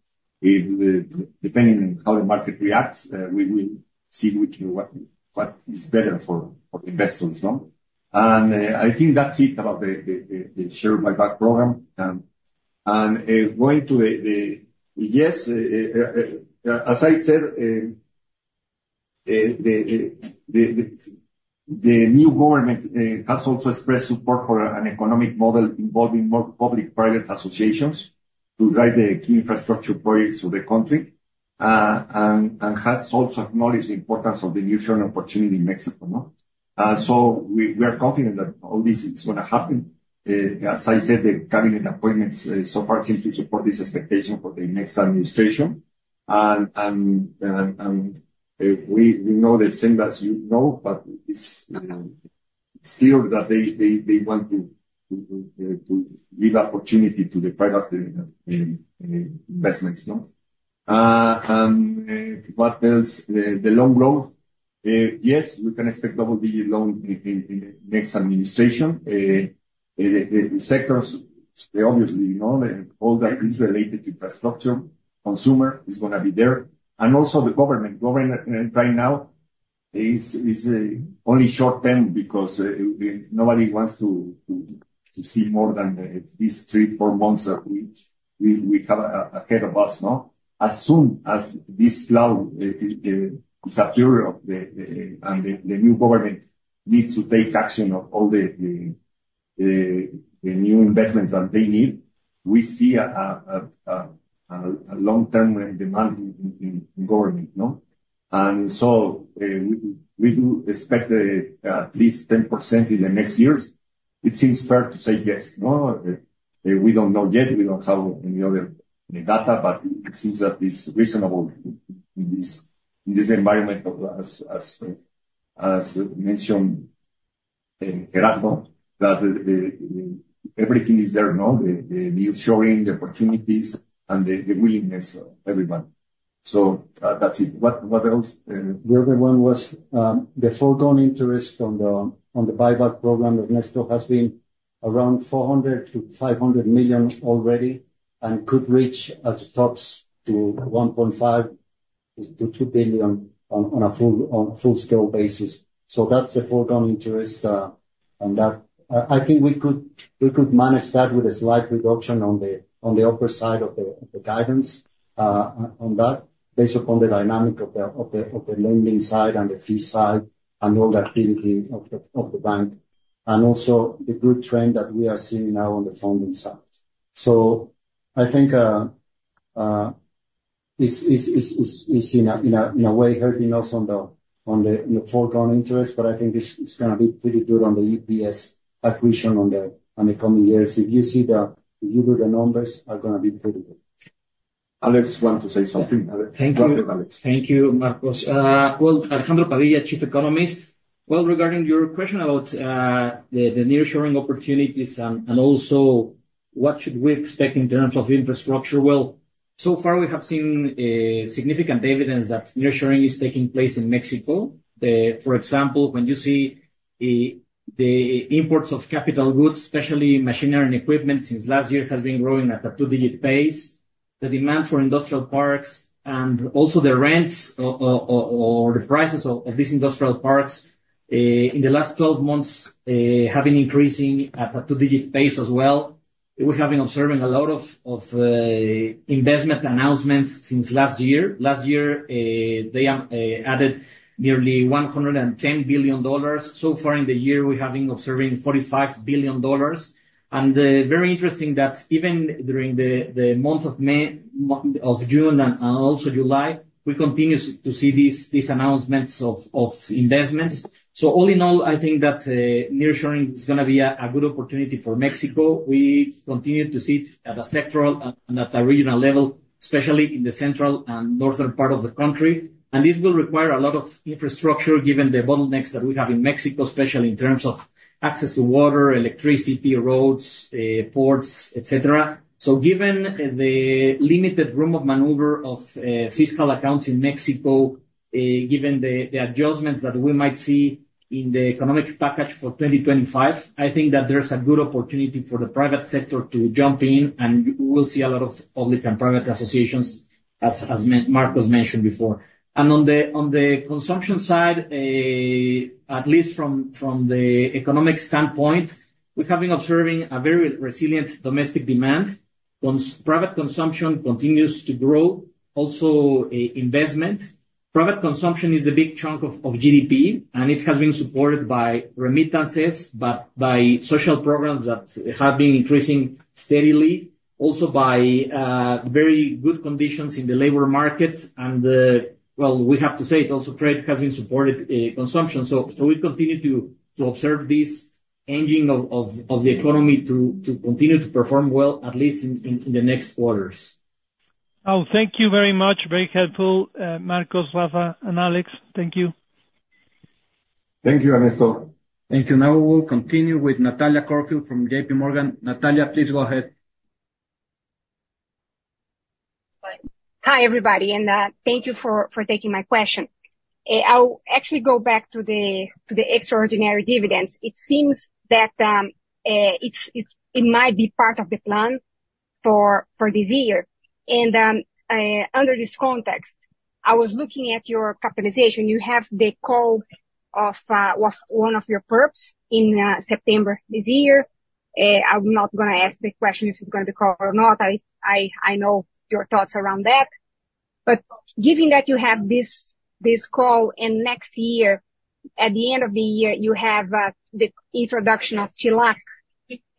Depending on how the market reacts, we will see what is better for investors, no? I think that's it about the share buyback program. As I said, the new government has also expressed support for an economic model involving more public-private associations to drive the key infrastructure projects of the country. It has also acknowledged the importance of the nearshoring opportunity in Mexico, no? So we are confident that all this is gonna happen. As I said, the cabinet appointments so far seem to support this expectation for the next administration. We know the same as you know, but it's still that they want to give opportunity to the private investments, no? What else? The loan growth. Yes, we can expect double-digit loans in the next administration. The sectors, they obviously know, and all that is related to infrastructure, consumer is gonna be there, and also the government. Government right now is only short-term, because nobody wants to see more than these three, four months that we have ahead of us, no? As soon as this cloud disappear of the... The new government needs to take action of all the new investments that they need. We see a long-term demand in government, no? So, we do expect at least 10% in the next years. It seems fair to say yes, no? We don't know yet. We don't have any other data, but it seems that it's reasonable in this environment as mentioned by Gerardo, that everything is there, no? The nearshoring, the opportunities, and the willingness of everyone. So, that's it. What else? The other one was the foregone interest on the buyback program of Banorte has been around 400 million-500 million already, and could reach at tops to 1.5-2 billion on a full scale basis. So that's the foregone interest on that. I think we could manage that with a slight reduction on the upper side of the guidance on that, based upon the dynamic of the lending side and the fee side, and all the activity of the bank, and also the good trend that we are seeing now on the funding side. So I think it's in a way hurting us on the, you know, foregone interest, but I think it's gonna be pretty good on the EPS acquisition on the coming years. If you see the... If you read the numbers are gonna be pretty good. Alex want to say something? Alex- Thank you. Welcome, Alex. Thank you, Marcos. Well, Alejandro Padilla, Chief Economist. Well, regarding your question about the nearshoring opportunities, and also what should we expect in terms of infrastructure? Well, so far we have seen significant evidence that nearshoring is taking place in Mexico. For example, when you see the imports of capital goods, especially machinery and equipment, since last year, has been growing at a two-digit pace. The demand for industrial parks and also the rents or the prices of these industrial parks, in the last 12 months, have been increasing at a two-digit pace as well. We have been observing a lot of investment announcements since last year. Last year, they added nearly $110 billion. So far in the year, we have been observing $45 billion. And very interesting that even during the month of May, of June, and also July, we continue to see these announcements of investments. So all in all, I think that nearshoring is gonna be a good opportunity for Mexico. We continue to see it at a sectoral and at a regional level, especially in the central and northern part of the country. And this will require a lot of infrastructure, given the bottlenecks that we have in Mexico, especially in terms of access to water, electricity, roads, ports, et cetera. So given the limited room of maneuver of fiscal accounts in Mexico, given the adjustments that we might see in the economic package for 2025, I think that there's a good opportunity for the private sector to jump in, and we'll see a lot of public and private associations, as Marcos mentioned before. And on the consumption side, at least from the economic standpoint, we have been observing a very resilient domestic demand. Private consumption continues to grow, also investment. Private consumption is a big chunk of GDP, and it has been supported by remittances, but by social programs that have been increasing steadily, also by very good conditions in the labor market. And, well, we have to say, also, trade has been supported, consumption. So we continue to observe this engine of the economy to continue to perform well, at least in the next quarters. Oh, thank you very much. Very helpful, Marcos, Rafa, and Alex. Thank you. Thank you, Ernesto. Thank you. Now we will continue with Natalia Corfield from JPMorgan. Natalia, please go ahead. Hi, everybody, and thank you for taking my question. I'll actually go back to the extraordinary dividends. It seems that it might be part of the plan for this year. Under this context, I was looking at your capitalization. You have the call of one of your perps in September this year. I'm not gonna ask the question if it's going to call or not. I know your thoughts around that. But given that you have this call, and next year, at the end of the year, you have the introduction of TLAC,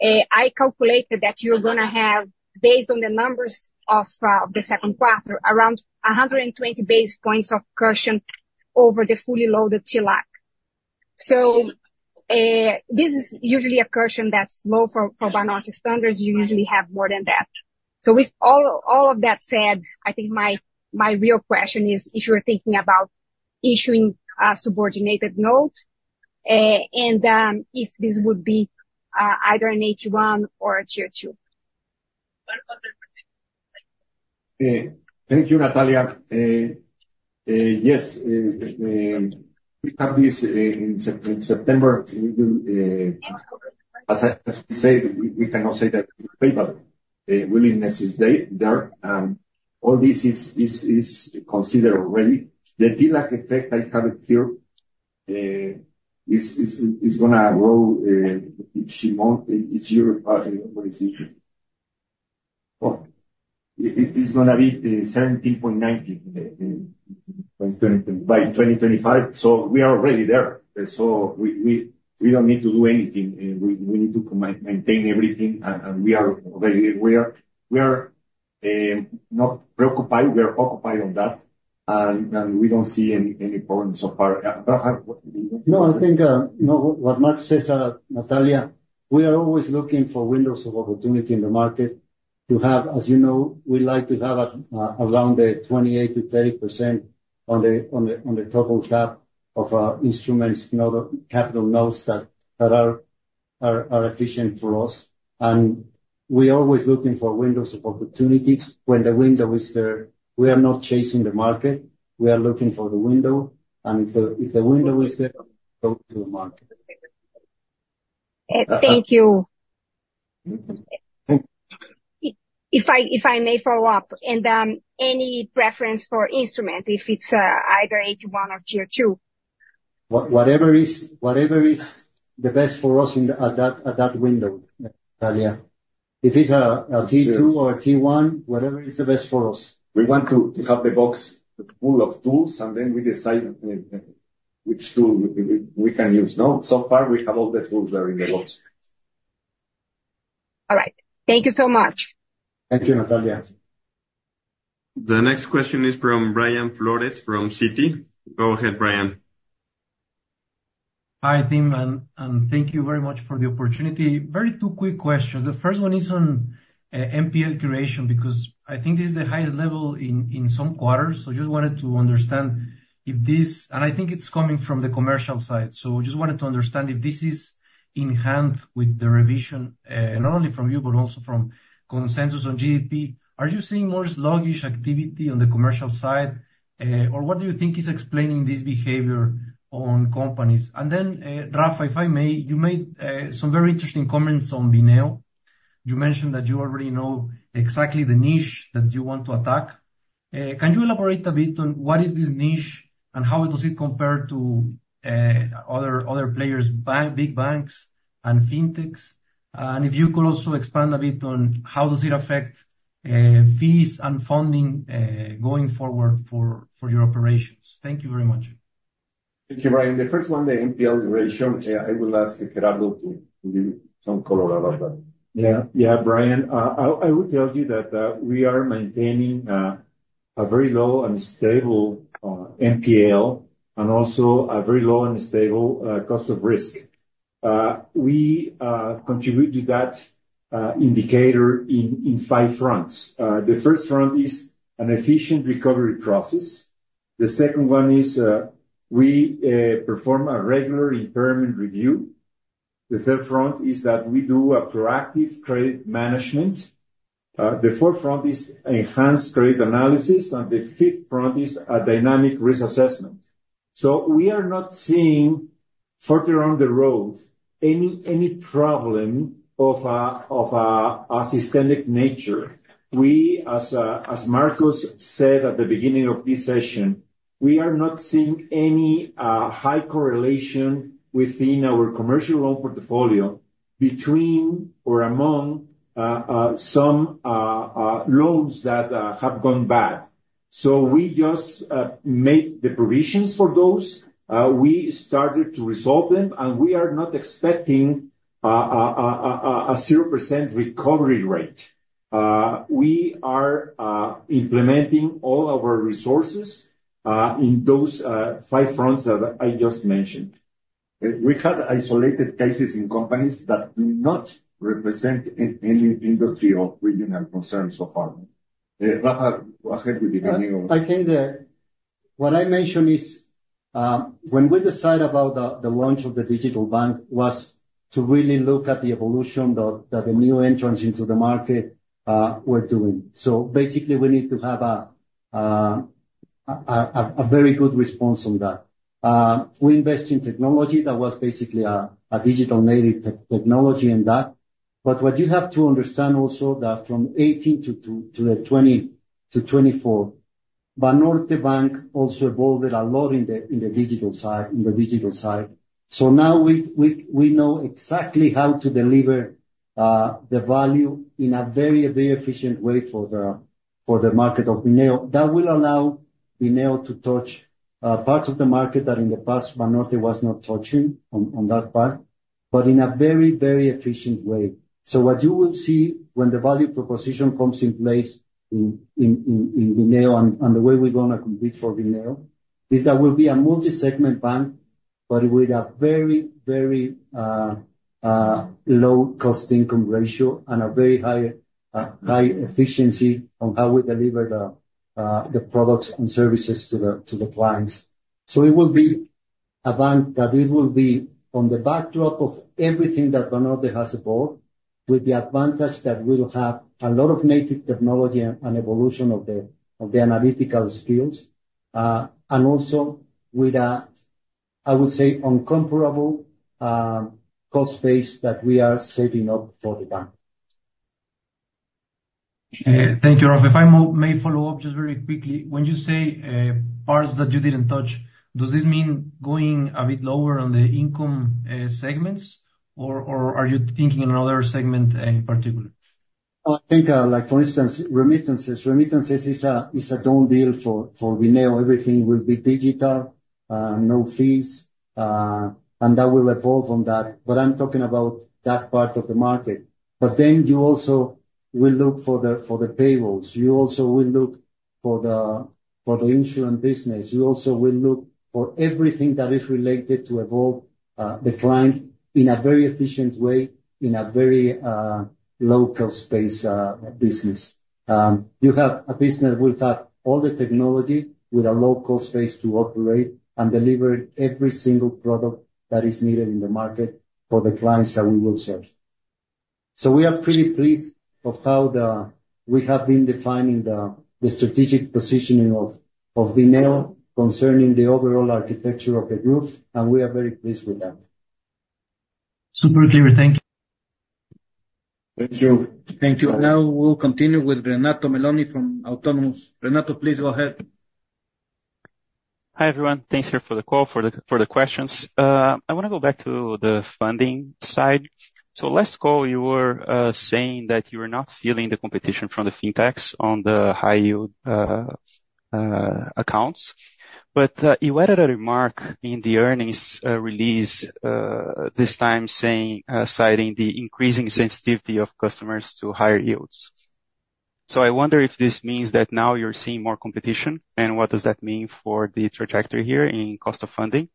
I calculated that you're gonna have, based on the numbers of the second quarter, around 120 basis points of cushion over the fully loaded TLAC. So, this is usually a cushion that's low for Banorte's standards. You usually have more than that. So with all of that said, I think my real question is, if you're thinking about issuing a subordinated note, and if this would be either a Tier 1 or a Tier 2? Thank you, Natalia. Yes, we have this, in September, we will, as we said, we cannot say that payback willingness is there, there. All this is considered already. The effect I have it here, is gonna grow, each month, each year. What is it? Oh, it is gonna be 17.19 by 2025. So we are already there. So we don't need to do anything, and we need to maintain everything, and we are already aware. We are not preoccupied, we are occupied on that, and we don't see any problems so far. Rafa, what do you think? No, I think, you know, what Marcos says, Natalia, we are always looking for windows of opportunity in the market to have. As you know, we like to have around the 28%-30% on the total cap of our instruments, you know, the capital notes that are efficient for us. And we're always looking for windows of opportunities. When the window is there, we are not chasing the market. We are looking for the window, and if the window is there, go to the market. Thank you. Mm-hmm. Mm. If I may follow up, and any preference for instrument, if it's either Tier 1 or Tier 2? Whatever is, whatever is the best for us at that window, Natalia. If it's a Tier 2 or a Tier 1, whatever is the best for us. We want to have the box full of tools, and then we decide which tool we can use, no? So far, we have all the tools there in the box. All right. Thank you so much. Thank you, Natalia. The next question is from Brian Flores, from Citi. Go ahead, Brian. Hi, team, and thank you very much for the opportunity. Very two quick questions. The first one is on NPL creation, because I think this is the highest level in some quarters. So just wanted to understand if this... And I think it's coming from the commercial side, so just wanted to understand if this is in hand with the revision, not only from you, but also from consensus on GDP. Are you seeing more sluggish activity on the commercial side? Or what do you think is explaining this behavior on companies? And then, Rafa, if I may, you made some very interesting comments on Bineo. You mentioned that you already know exactly the niche that you want to attack. Can you elaborate a bit on what is this niche, and how does it compare to other players, big banks and fintechs? And if you could also expand a bit on how does it affect fees and funding going forward for your operations. Thank you very much. Thank you, Brian. The first one, the NPL ratio, I will ask Gerardo to give you some color about that. Yeah. Yeah, Brian, I would tell you that we are maintaining a very low and stable NPL, and also a very low and stable cost of risk. We contribute to that indicator in five fronts. The first front is an efficient recovery process. The second one is we perform a regular impairment review. The third front is that we do a proactive credit management. The fourth front is enhanced credit analysis, and the fifth front is a dynamic risk assessment. So we are not seeing further down the road any problem of a systemic nature. We, as Marcos said at the beginning of this session, we are not seeing any high correlation within our commercial loan portfolio between or among some loans that have gone bad. So we just make the provisions for those. We started to resolve them, and we are not expecting a 0% recovery rate. We are implementing all our resources in those five fronts that I just mentioned. We had isolated cases in companies that do not represent any industry or regional concerns so far. Rafa, go ahead with the Bineo. I think that what I mentioned is, when we decide about the launch of the digital bank, was to really look at the evolution that the new entrants into the market were doing. So basically, we need to have a very good response on that. We invest in technology that was basically a digital native technology and that, but what you have to understand also that from 2018 to 2024, Banorte also evolved a lot in the digital side. So now we know exactly how to deliver the value in a very, very efficient way for the market of Bineo. That will allow Bineo to touch parts of the market that in the past, Banorte was not touching on that part, but in a very, very efficient way. So what you will see when the value proposition comes in place in Bineo and the way we're gonna compete for Bineo is that we'll be a multi-segment bank, but with a very, very low cost income ratio and a very high efficiency on how we deliver the products and services to the clients. So it will be a bank that it will be on the backdrop of everything that Banorte has aboard, with the advantage that we'll have a lot of native technology and evolution of the analytical skills, and also with a, I would say, incomparable cost base that we are setting up for the bank. Thank you, Rafa. If I may follow up, just very quickly, when you say, parts that you didn't touch, does this mean going a bit lower on the income, segments? Or are you thinking another segment, in particular? I think, like, for instance, remittances. Remittances is a done deal for Banorte. Everything will be digital, no fees, and that will evolve on that, but I'm talking about that part of the market. But then you also will look for the payrolls. You also will look for the insurance business. You also will look for everything that is related to evolve the client in a very efficient way, in a very low-cost base business. You have a business that will have all the technology with a low-cost base to operate and deliver every single product that is needed in the market for the clients that we will serve. So we are pretty pleased of how we have been defining the strategic positioning of Banorte concerning the overall architecture of the group, and we are very pleased with that. Super clear. Thank you. Thank you. Thank you. Now, we'll continue with Renato Meloni from Autonomous. Renato, please go ahead. Hi, everyone. Thanks here for the call, for the questions. I wanna go back to the funding side. So last call, you were saying that you were not feeling the competition from the fintechs on the high yield accounts, but you added a remark in the earnings release this time saying, citing the increasing sensitivity of customers to higher yields. So I wonder if this means that now you're seeing more competition, and what does that mean for the trajectory here in cost of funding?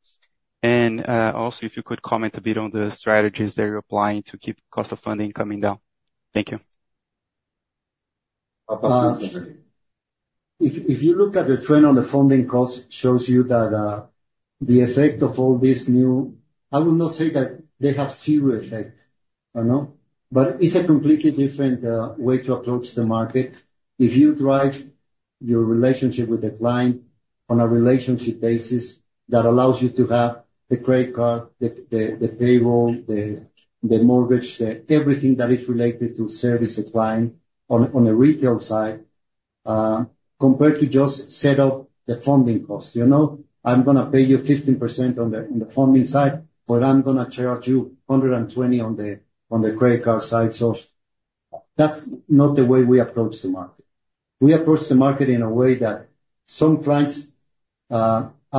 And also, if you could comment a bit on the strategies that you're applying to keep cost of funding coming down. Thank you. If you look at the trend on the funding cost, it shows you that the effect of all this new.I will not say that they have zero effect, I don't know, but it's a completely different way to approach the market. If you drive your relationship with the client on a relationship basis, that allows you to have the credit card, the payroll, the mortgage, everything that is related to service a client on a retail side, compared to just set up the funding cost, you know? I'm gonna pay you 15% on the funding side, but I'm gonna charge you 120% on the credit card side. So that's not the way we approach the market. We approach the market in a way that some clients, the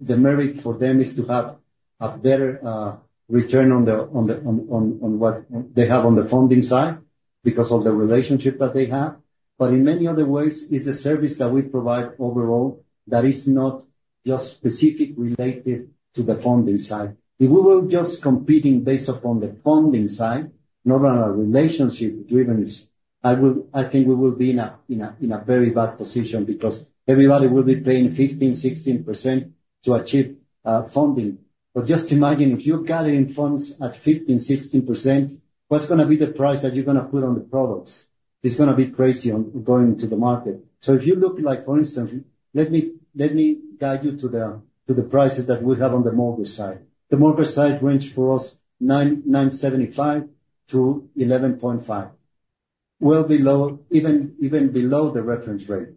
merit for them is to have a better return on what they have on the funding side because of the relationship that they have. But in many other ways, it's a service that we provide overall that is not just specific related to the funding side. If we were just competing based upon the funding side, not on a relationship-driven, I think we will be in a very bad position because everybody will be paying 15%-16% to achieve funding. But just imagine if you're gathering funds at 15%-16%, what's gonna be the price that you're gonna put on the products? It's gonna be crazy going into the market. So if you look, like, for instance, let me guide you to the prices that we have on the mortgage side. The mortgage side range for us, 9.75%-11.5%, well below, even below the reference rate.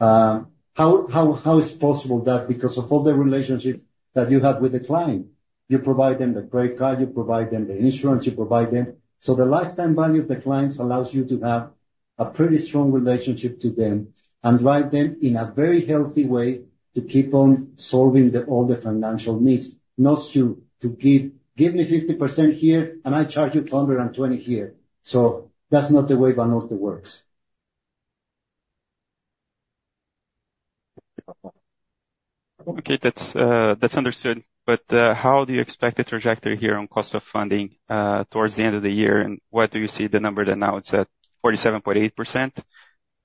How is it possible that? Because of all the relationships that you have with the client. You provide them the credit card, you provide them the insurance, you provide them... So the lifetime value of the clients allows you to have a pretty strong relationship to them and drive them in a very healthy way to keep on solving the all the financial needs, not to give, "Give me 50% here, and I charge you 120% here." So that's not the way Banorte works. Okay, that's understood. But how do you expect the trajectory here on cost of funding towards the end of the year, and where do you see the number that now it's at 47.8%?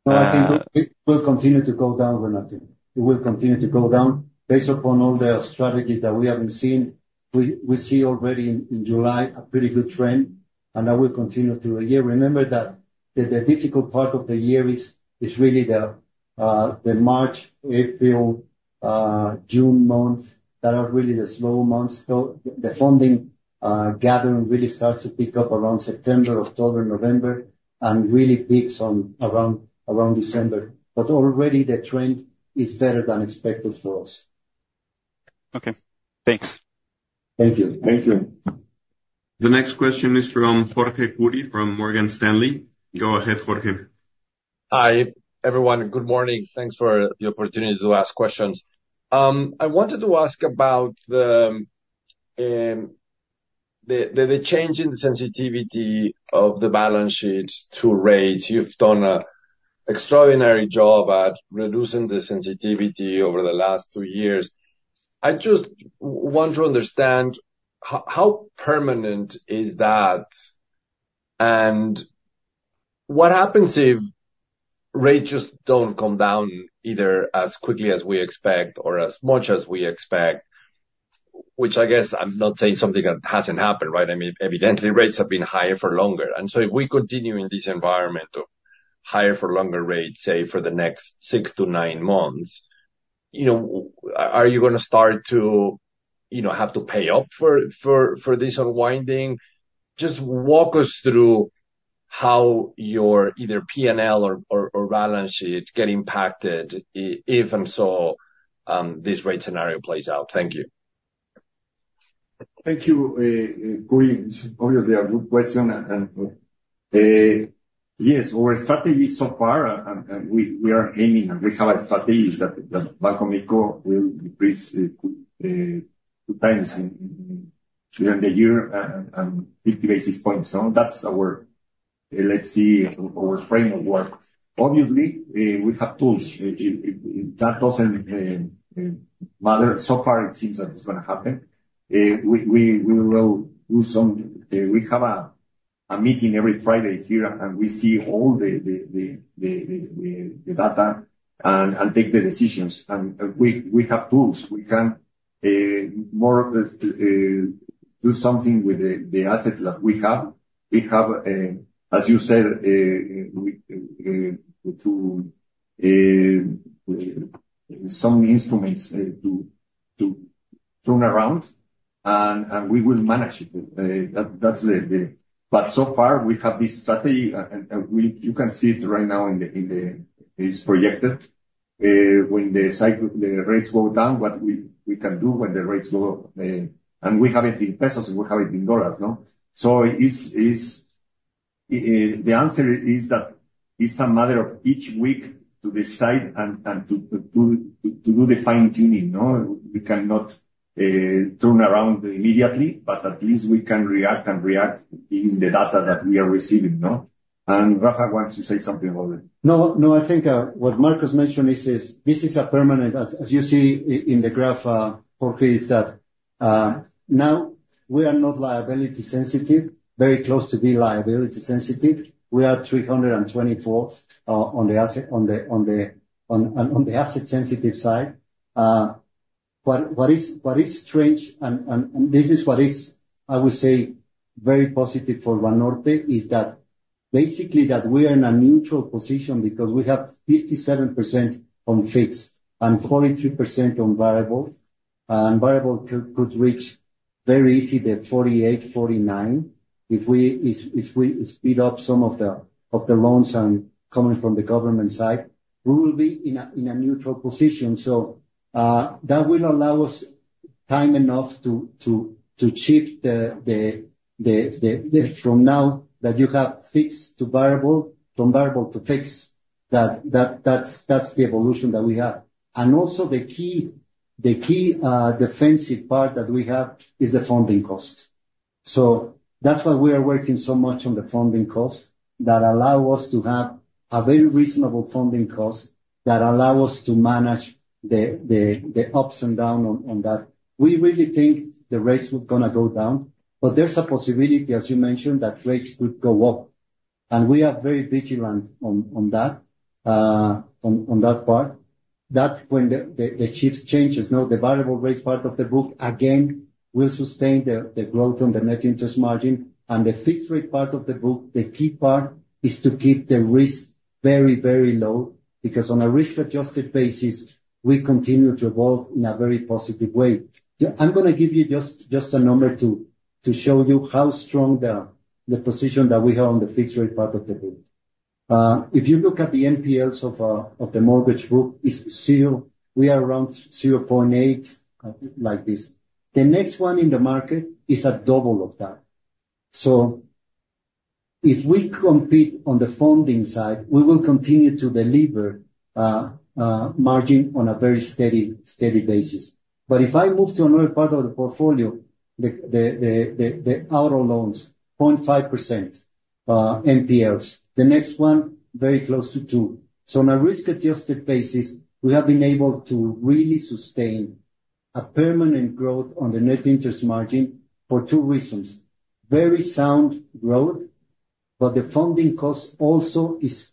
No, I think it will continue to go down, Renato. It will continue to go down based upon all the strategies that we have been seeing. We see already in July a pretty good trend, and that will continue through the year. Remember that the difficult part of the year is really the March, April, June month. That are really the slow months. So the funding gathering really starts to pick up around September, October, November, and really peaks on around December. But already the trend is better than expected for us. Okay, thanks. Thank you. Thank you. The next question is from Jorge Kuri, from Morgan Stanley. Go ahead, Jorge. Hi, everyone. Good morning. Thanks for the opportunity to ask questions. I wanted to ask about the change in the sensitivity of the balance sheets to rates. You've done an extraordinary job at reducing the sensitivity over the last two years. I just want to understand how permanent is that, and ...what happens if rates just don't come down either as quickly as we expect or as much as we expect? Which I guess I'm not saying something that hasn't happened, right? I mean, evidently, rates have been higher for longer, and so if we continue in this environment of higher for longer rates, say, for the next 6-9 months, you know, are you gonna start to, you know, have to pay up for this unwinding? Just walk us through how your either PNL or balance sheet get impacted if and so this rate scenario plays out. Thank you. Thank you, Jorge. Obviously, a good question, yes, our strategy so far, we are aiming, we have a strategy that Banxico will increase 2x during the year and 50 basis points. So that's our, let's say, our framework. Obviously, we have tools. If that doesn't matter, so far it seems that it's gonna happen. We will do some. We have a meeting every Friday here, and we see all the data and take the decisions, and we have tools. We can do something more with the assets that we have. We have, as you said, we to some instruments to turn around, and we will manage it. That, that's the...But so far, we have this strategy, and you can see it right now in the, in the, it's projected, when the cycle, the rates go down, what we can do when the rates go. And we have it in pesos, and we have it in dollars, no? So is, the answer is that it's a matter of each week to decide and to do the fine-tuning, no? We cannot turn around immediately, but at least we can react, and react in the data that we are receiving, no? And Rafael wants to say something about it. No, no, I think what Marcos mentioned is this is a permanent, as you see in the graph, Jorge, is that now we are not liability sensitive, very close to being liability sensitive. We are 324 on the asset-sensitive side. But what is strange, and this is what is, I would say, very positive for Banorte, is that basically that we are in a neutral position because we have 57% on fixed and 43% on variable, and variable could reach very easy the 48, 49. If we speed up some of the loans coming from the government side, we will be in a neutral position. So, that will allow us time enough to shift the from now that you have fixed to variable, from variable to fixed, that's the evolution that we have. And also the key defensive part that we have is the funding cost. So that's why we are working so much on the funding cost, that allow us to have a very reasonable funding cost, that allow us to manage the ups and down on that. We really think the rates were gonna go down, but there's a possibility, as you mentioned, that rates could go up, and we are very vigilant on that, on that part. That when the shifts changes, now, the variable rates part of the book, again, will sustain the growth on the net interest margin, and the fixed rate part of the book, the key part, is to keep the risk very, very low, because on a risk-adjusted basis, we continue to evolve in a very positive way. Yeah, I'm gonna give you just a number to show you how strong the position that we have on the fixed rate part of the book. If you look at the NPLs of the mortgage book, it's zero. We are around 0.8, like this. The next one in the market is a double of that. So if we compete on the funding side, we will continue to deliver margin on a very steady, steady basis. But if I move to another part of the portfolio, the auto loans, 0.5% NPLs. The next one, very close to 2%. So on a risk-adjusted basis, we have been able to really sustain a permanent growth on the net interest margin for two reasons: very sound growth, but the funding cost also is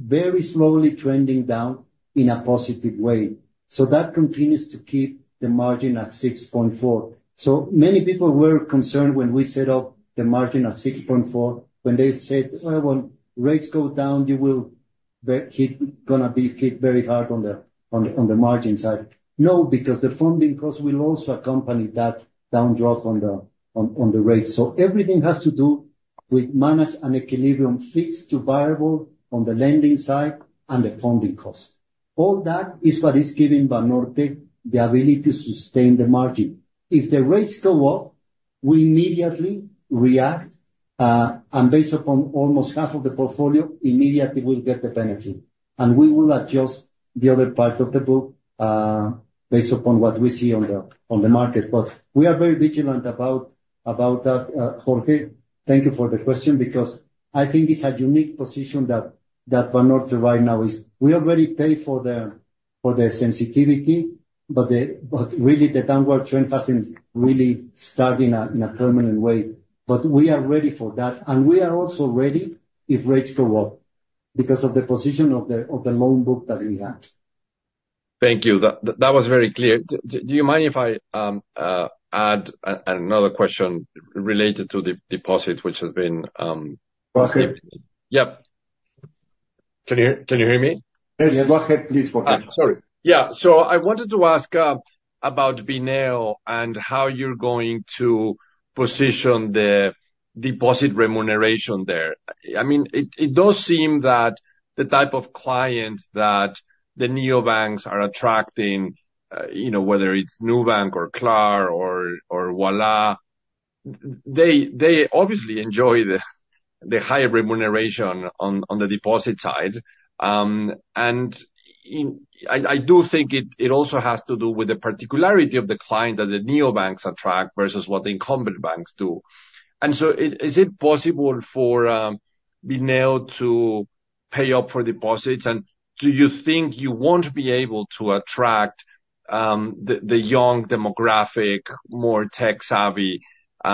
very slowly trending down in a positive way. So that continues to keep the margin at 6.4. So many people were concerned when we set up the margin at 6.4, when they said, "Well, rates go down, you will hit, gonna be hit very hard on the margin side." No, because the funding cost will also accompany that drop on the rate. So everything has to do with management and equilibrium fixed to variable on the lending side and the funding cost. All that is what is giving Banorte the ability to sustain the margin. If the rates go up, we immediately react, and based upon almost half of the portfolio, immediately we'll get the penalty, and we will adjust the other parts of the book, based upon what we see on the market. But we are very vigilant about that, Jorge. Thank you for the question because I think it's a unique position that Banorte right now is; we already paid for the sensitivity, but really the downward trend hasn't really started in a permanent way. We are ready for that, and we are also ready if rates go up, because of the position of the loan book that we have. Thank you. That, that was very clear. Do you mind if I add another question related to the deposit, which has been, Go ahead. Yep. Can you, can you hear me? Yes, go ahead, please go ahead. Ah, sorry. Yeah, so I wanted to ask about Bineo and how you're going to position the deposit remuneration there. I mean, it does seem that the type of clients that the neobanks are attracting, you know, whether it's Nubank or Klar or Ualá, they obviously enjoy the high remuneration on the deposit side. And I do think it also has to do with the particularity of the client that the neobanks attract versus what the incumbent banks do. So is it possible for Bineo to pay up for deposits? And do you think you won't be able to attract the young demographic, more tech-savvy, that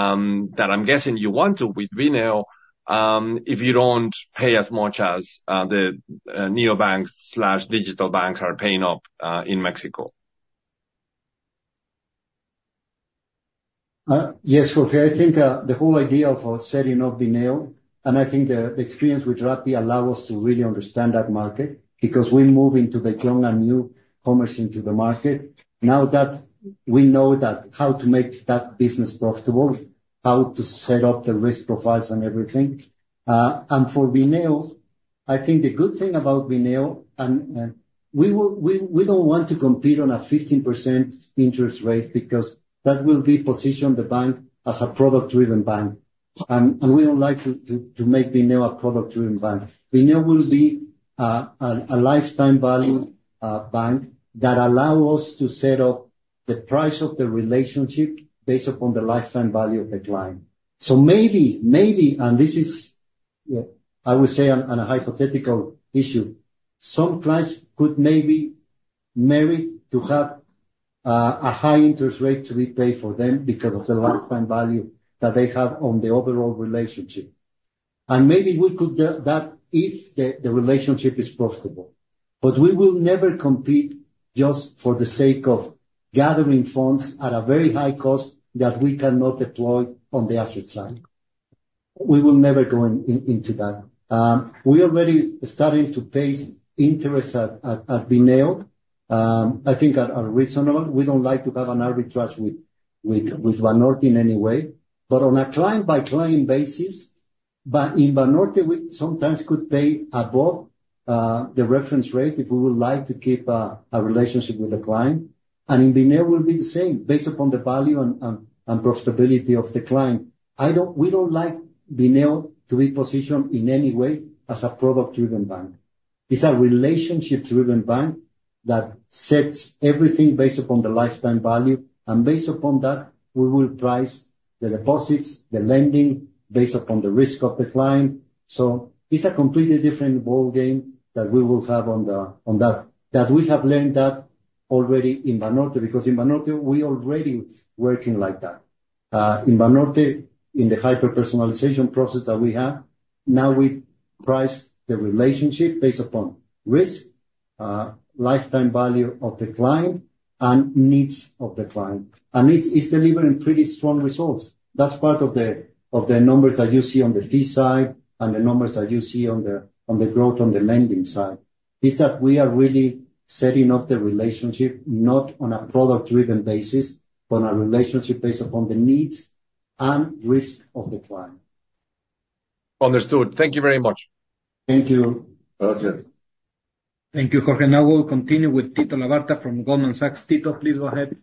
I'm guessing you want to with Bineo, if you don't pay as much as the neobanks/digital banks are paying up in Mexico? Yes, Jorge, I think the whole idea of setting up Bineo, and I think the experience with Rappi allows us to really understand that market, because we're moving to the young and new commerce into the market. Now that we know that how to make that business profitable, how to set up the risk profiles and everything. And for Bineo, I think the good thing about Bineo, and we don't want to compete on a 15% interest rate, because that will be positioned the bank as a product-driven bank. And we don't like to make Bineo a product-driven bank. Bineo will be a lifetime value bank, that allows us to set up the price of the relationship based upon the lifetime value of the client. So maybe, maybe, and this is, I would say, on, on a hypothetical issue, some clients could maybe marry to have a high interest rate to be paid for them because of the lifetime value that they have on the overall relationship. And maybe we could do that if the relationship is profitable. But we will never compete just for the sake of gathering funds at a very high cost that we cannot deploy on the asset side. We will never go into that. We already starting to pay interest at, at, at Bineo, I think are reasonable. We don't like to have an arbitrage with Banorte in any way. But on a client-by-client basis, but in Banorte, we sometimes could pay above the reference rate if we would like to keep a relationship with the client. In Bineo, it will be the same, based upon the value and profitability of the client. We don't like Bineo to be positioned in any way as a product-driven bank. It's a relationship-driven bank that sets everything based upon the lifetime value, and based upon that, we will price the deposits, the lending, based upon the risk of the client. So it's a completely different ballgame that we will have on that that we have learned already in Banorte, because in Banorte, we already working like that. In Banorte, in the hyper-personalization process that we have, now we price the relationship based upon risk, lifetime value of the client, and needs of the client. And it's delivering pretty strong results. That's part of the numbers that you see on the fee side, and the numbers that you see on the growth on the lending side, is that we are really setting up the relationship, not on a product-driven basis, but on a relationship based upon the needs and risk of the client. Understood. Thank you very much. Thank you. That's it. Thank you, Jorge. Now we'll continue with Tito Labarta from Goldman Sachs. Tito, please go ahead.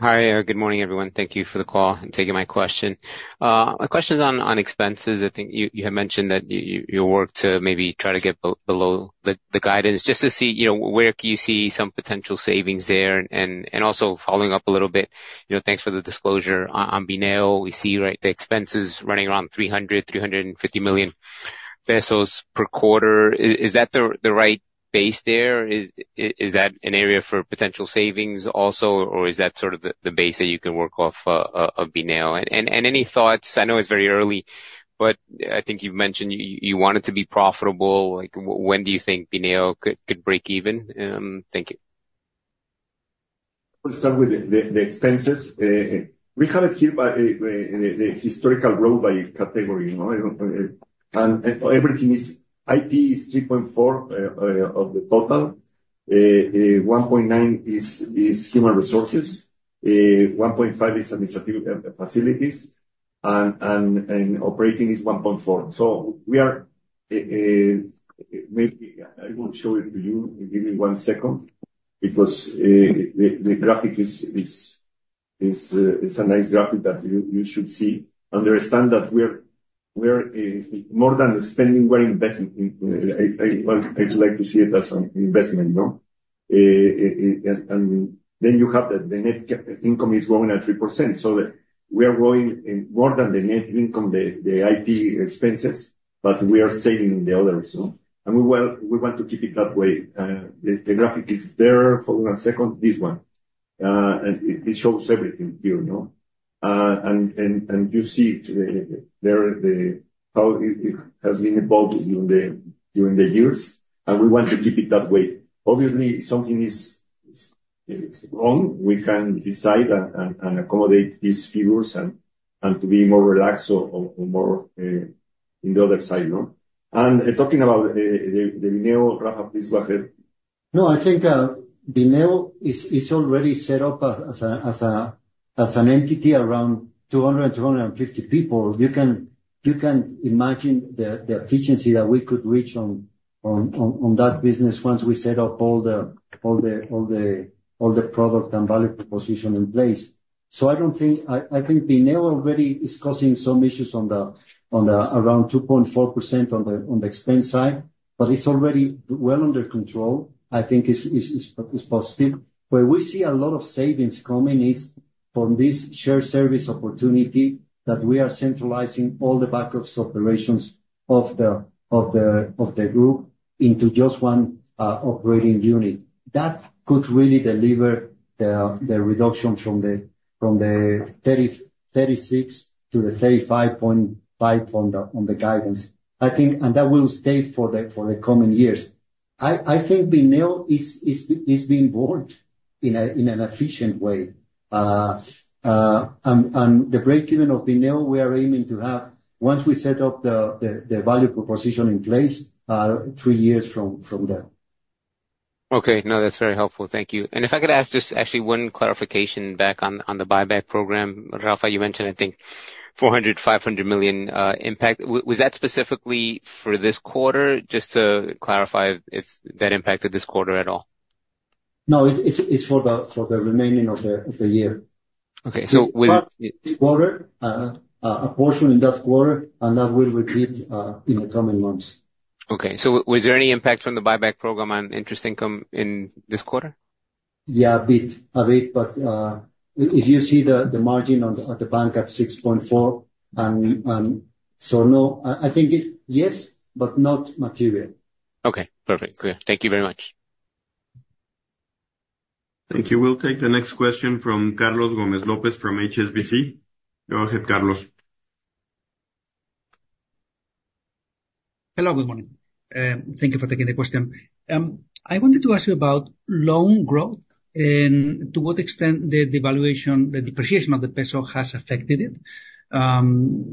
Hi. Good morning, everyone. Thank you for the call and taking my question. My question is on expenses. I think you had mentioned that your work to maybe try to get below the guidance, just to see, you know, where can you see some potential savings there? And also following up a little bit, you know, thanks for the disclosure. On Bineo, we see, right, the expenses running around 300 million-350 million pesos per quarter. Is that the right base there? Is that an area for potential savings also, or is that sort of the base that you can work off of Bineo? And any thoughts, I know it's very early, but I think you've mentioned you want it to be profitable. Like, when do you think Bineo could break even? Thank you. We'll start with the expenses. We have it here by the historical growth by category, you know, and everything is... IT is 3.4 of the total. 1.9 is human resources. 1.5 is administrative facilities, and operating is 1.4. So maybe I will show it to you. Give me one second, because the graphic is a nice graphic that you should see. Understand that we're more than spending, we're investing. Well, I'd like to see it as an investment, you know? And then you have the net income is growing at 3%, so the ...We are growing in more than the net income, the IT expenses, but we are saving in the other zone. We want to keep it that way. The graphic is there for a second, this one, and it shows everything here, you know? And you see it there, how it has been involved during the years, and we want to keep it that way. Obviously, something is wrong. We can decide and accommodate these figures and to be more relaxed or more in the other side, no? And talking about the Bineo, Rafa, please go ahead. No, I think Bineo is already set up as an entity around 200, 250 people. You can imagine the efficiency that we could reach on that business once we set up all the product and value proposition in place. So I don't think. I think Bineo already is causing some issues on the around 2.4% on the expense side, but it's already well under control. I think it's positive. Where we see a lot of savings coming is from this shared service opportunity, that we are centralizing all the back office operations of the group into just one operating unit. That could really deliver the reduction from the 36 to the 35.5 on the guidance. I think, and that will stay for the coming years. I think Bineo is being born in an efficient way. And the break-even of Bineo, we are aiming to have, once we set up the value proposition in place, three years from there. Okay. No, that's very helpful. Thank you. And if I could ask just actually one clarification back on the buyback program. Rafa, you mentioned, I think, 400 million-500 million impact. Was that specifically for this quarter? Just to clarify if that impacted this quarter at all. No, it's for the remaining of the year. Okay, so with- Quarter, a portion in that quarter, and that will repeat in the coming months. Okay. So was there any impact from the buyback program on interest income in this quarter? Yeah, a bit, a bit, but if you see the margin at the bank at 6.4, and so, no, I think it... Yes, but not material. Okay, perfect. Clear. Thank you very much. Thank you. We'll take the next question from Carlos Gómez-López from HSBC. Go ahead, Carlos. Hello, good morning, and thank you for taking the question. I wanted to ask you about loan growth, and to what extent the devaluation, the depreciation of the peso has affected it,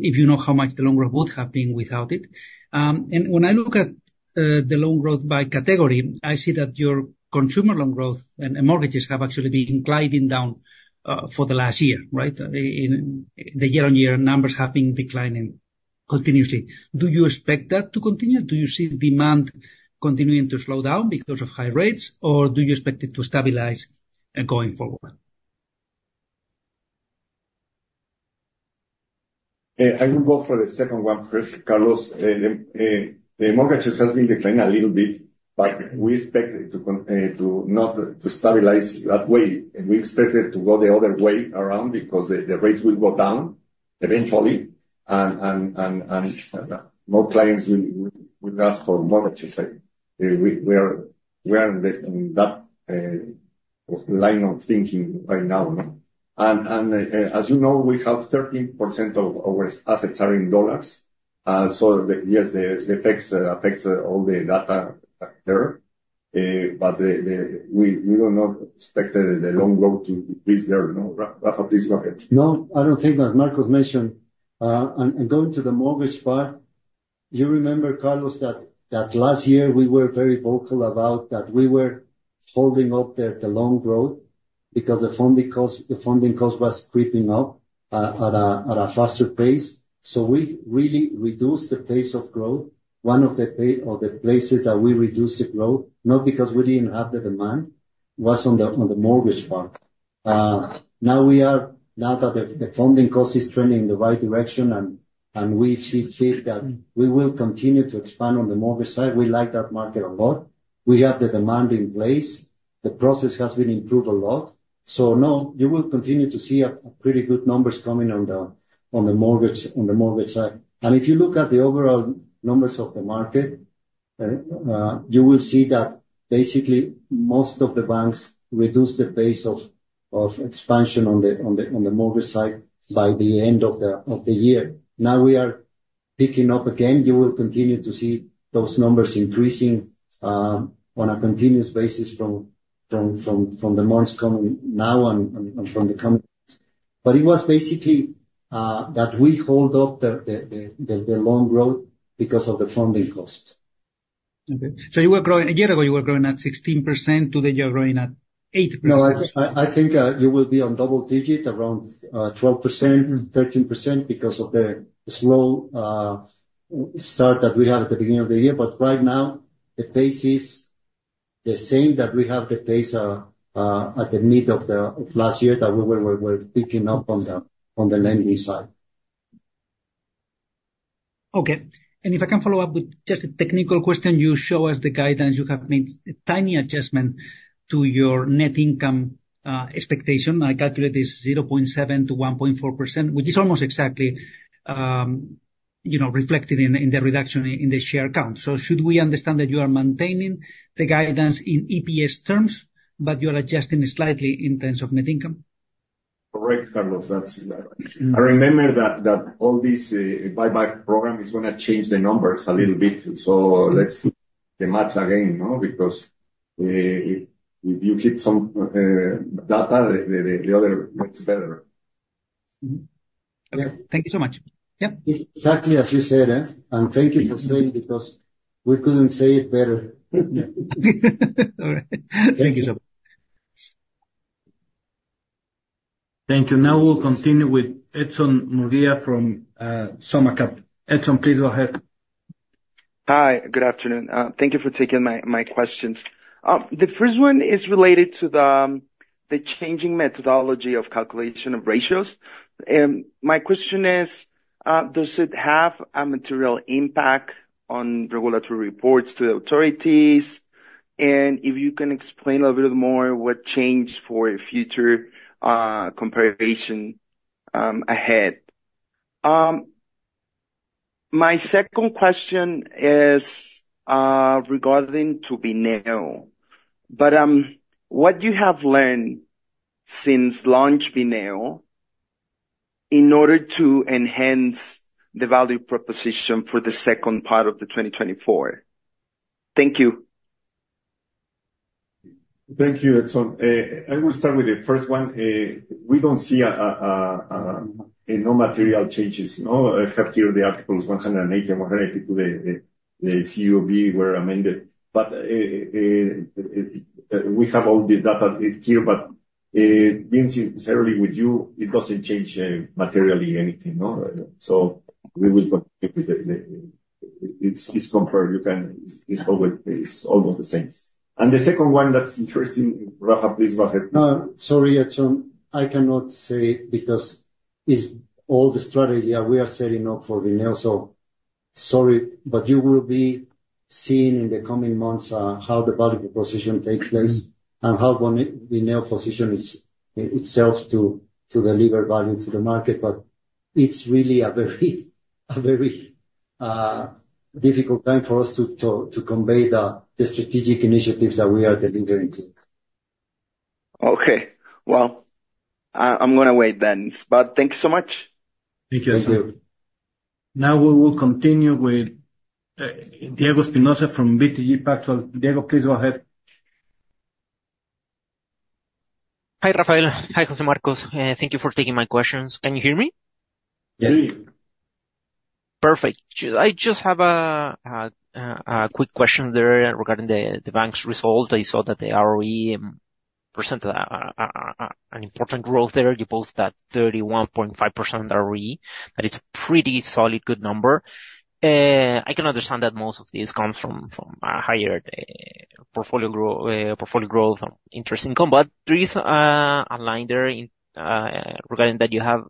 if you know how much the loan growth would have been without it. And when I look at the loan growth by category, I see that your consumer loan growth and mortgages have actually been inclining down for the last year, right? The year-on-year numbers have been declining continuously. Do you expect that to continue? Do you see demand continuing to slow down because of high rates, or do you expect it to stabilize going forward? I will go for the second one first, Carlos. The mortgages has been declining a little bit, but we expect it to not stabilize that way. We expect it to go the other way around because the rates will go down eventually, and more clients will ask for mortgages. We are in that line of thinking right now, no? And as you know, we have 13% of our assets are in dollars. So yes, the effects affect all the data there, but we do not expect the loan growth to decrease there, no. Rafa, please go ahead. No, I don't think, as Marcos mentioned, and going to the mortgage part, you remember, Carlos, that last year we were very vocal about that we were holding up the loan growth because the funding cost was creeping up at a faster pace. So we really reduced the pace of growth. One of the places that we reduced the growth, not because we didn't have the demand, was on the mortgage part. Now that the funding cost is trending in the right direction, and we see fit, that we will continue to expand on the mortgage side. We like that market a lot. We have the demand in place. The process has been improved a lot. So no, you will continue to see a pretty good numbers coming on the mortgage side. If you look at the overall numbers of the market, you will see that basically, most of the banks reduced the pace of expansion on the mortgage side by the end of the year. Now, we are picking up again. You will continue to see those numbers increasing on a continuous basis from the months coming now and from the coming. But it was basically that we hold up the loan growth because of the funding cost. Okay. So you were growing, a year ago, you were growing at 16%, today you are growing at 8%. No, I think you will be on double-digit, around 12%-13%, because of the slow start that we had at the beginning of the year. But right now, the pace is the same, that we have the pace at the mid of last year, that we were picking up on the lending side. Okay, and if I can follow up with just a technical question. You show us the guidance, you have made a tiny adjustment to your net income expectation. I calculate it's 0.7%-1.4%, which is almost exactly, you know, reflected in the reduction in the share count. So should we understand that you are maintaining the guidance in EPS terms, but you are adjusting it slightly in terms of net income? Correct, Carlos, that's right. I remember that all these buyback program is gonna change the numbers a little bit, so let's do the math again, no? Because if you keep some data, the other works better. Mm-hmm. Thank you so much. Yeah. Exactly as you said, eh? Thank you for saying, because we couldn't say it better. All right. Thank you so much. Thank you. Now we'll continue with Edson Murguia from SummaCap Hi, good afternoon. Thank you for taking my, my questions. The first one is related to the changing methodology of calculation of ratios. My question is, does it have a material impact on regulatory reports to the authorities? And if you can explain a little bit more, what changed for future comparison ahead. My second question is, regarding to Bineo, but what you have learned since launch Bineo, in order to enhance the value proposition for the second part of 2024? Thank you. Thank you, Edson. I will start with the first one. We don't see no material changes, no, after the articles 180, 182, the CUB were amended. But, we have all the data here, but, being necessarily with you, it doesn't change materially anything, no? So we will provide you the... It's compared, you can, it's almost the same. And the second one, that's interesting. Rafa, please go ahead. No, sorry, Edson, I cannot say, because it's all the strategy that we are setting up for Bineo. So sorry, but you will be seeing in the coming months how the value proposition takes place, and how Bineo positions itself to deliver value to the market. But it's really a very difficult time for us to convey the strategic initiatives that we are delivering. Okay. Well, I'm gonna wait then, but thank you so much. Thank you, Edson. Thank you. Now we will continue with, Diego Espinosa from BTG Pactual. Diego, please go ahead. Hi, Rafael. Hi, José Marcos. Thank you for taking my questions. Can you hear me? Yes. Yes. Perfect. I just have a quick question there regarding the bank's results. I saw that the ROE percent, an important growth there. You post that 31.5% ROE, that is a pretty solid, good number. I can understand that most of this comes from a higher portfolio growth and interest income. But there is a line there in regarding that you have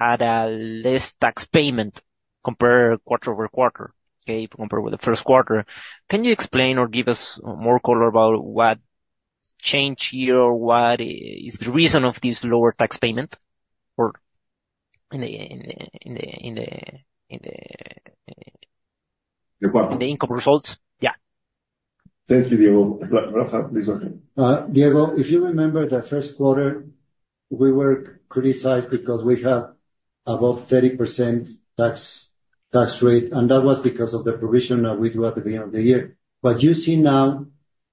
had a less tax payment compared quarter-over-quarter, okay, compared with the first quarter. Can you explain or give us more color about what changed here, or what is the reason of this lower tax payment, or in the- The what? In the income results? Yeah. Thank you, Diego. Rafa, please go ahead. Diego, if you remember the first quarter, we were criticized because we had about 30% tax rate, and that was because of the provision that we do at the beginning of the year. What you see now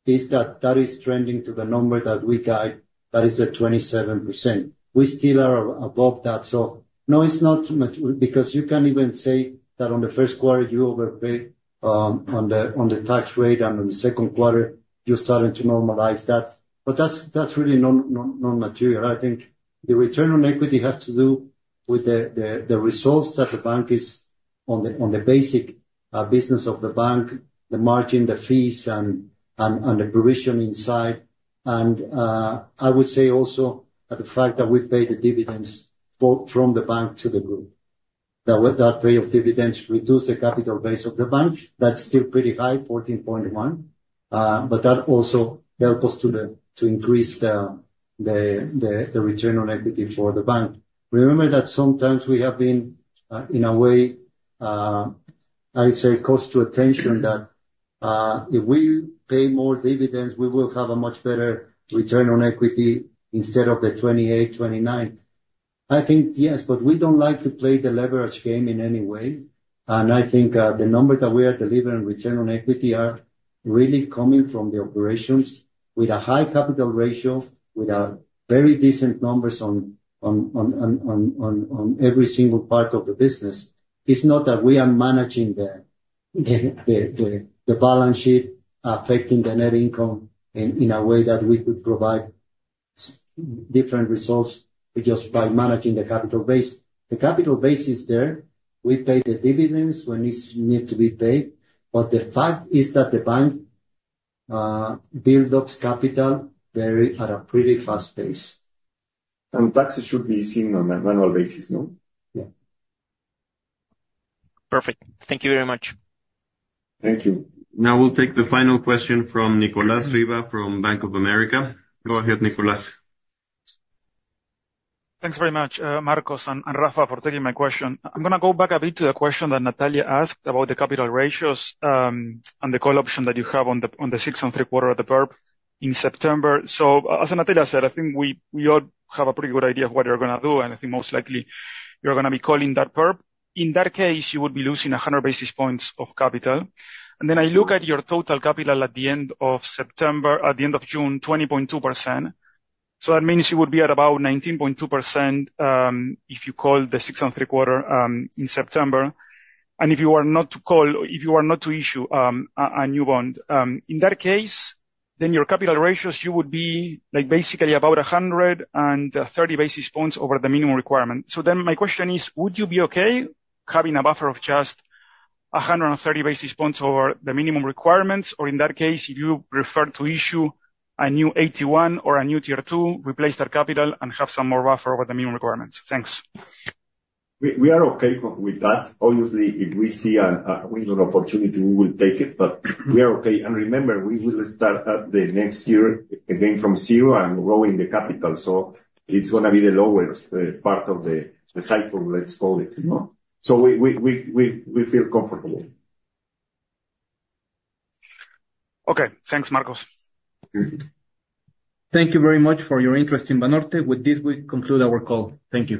is that that is trending to the number that we guide, that is the 27%. We still are above that, so no, it's not much, because you can't even say that on the first quarter you overpaid on the tax rate, and in the second quarter, you're starting to normalize that. But that's really non-material. I think the return on equity has to do with the results that the bank is on the basic business of the bank, the margin, the fees, and the provision inside. I would say also that the fact that we've paid the dividends from the bank to the group. Now, with that pay of dividends, reduce the capital base of the bank, that's still pretty high, 14.1, but that also help us to increase the return on equity for the bank. Remember that sometimes we have been in a way, I would say, close to attention that if we pay more dividends, we will have a much better return on equity instead of the 28, 29. I think, yes, but we don't like to play the leverage game in any way, and I think the number that we are delivering return on equity are really coming from the operations with a high capital ratio, with a very decent numbers on every single part of the business. It's not that we are managing the balance sheet, affecting the net income in a way that we could provide different results just by managing the capital base. The capital base is there. We pay the dividends when it's need to be paid, but the fact is that the bank build up capital very, at a pretty fast pace. Taxes should be seen on an annual basis, no? Yeah. Perfect. Thank you very much. Thank you. Now we'll take the final question from Nicolas Riva, from Bank of America. Go ahead, Nicolas. Thanks very much, Marcos and Rafa, for taking my question. I'm gonna go back a bit to the question that Natalia asked about the capital ratios, and the call option that you have on the 6.75 of the PERP in September. So as Natalia said, I think we all have a pretty good idea of what you're gonna do, and I think most likely you're gonna be calling that PERP. In that case, you would be losing 100 basis points of capital. And then I look at your total capital at the end of September, at the end of June, 20.2%, so that means you would be at about 19.2%, if you call the 6.75 in September. And if you are not to call... If you are not to issue a new bond, in that case, then your capital ratios, you would be, like, basically about 130 basis points over the minimum requirement. So then my question is: Would you be okay having a buffer of just 130 basis points over the minimum requirements, or in that case, you prefer to issue a new AT1 or a new Tier 2, replace that capital, and have some more buffer over the minimum requirements? Thanks. We are okay with that. Obviously, if we see a good opportunity, we will take it, but we are okay. And remember, we will start up the next year, again from zero and growing the capital, so it's gonna be the lowest part of the cycle, let's call it, you know? So we feel comfortable. Okay. Thanks, Marcos. Thank you very much for your interest in Banorte. With this, we conclude our call. Thank you.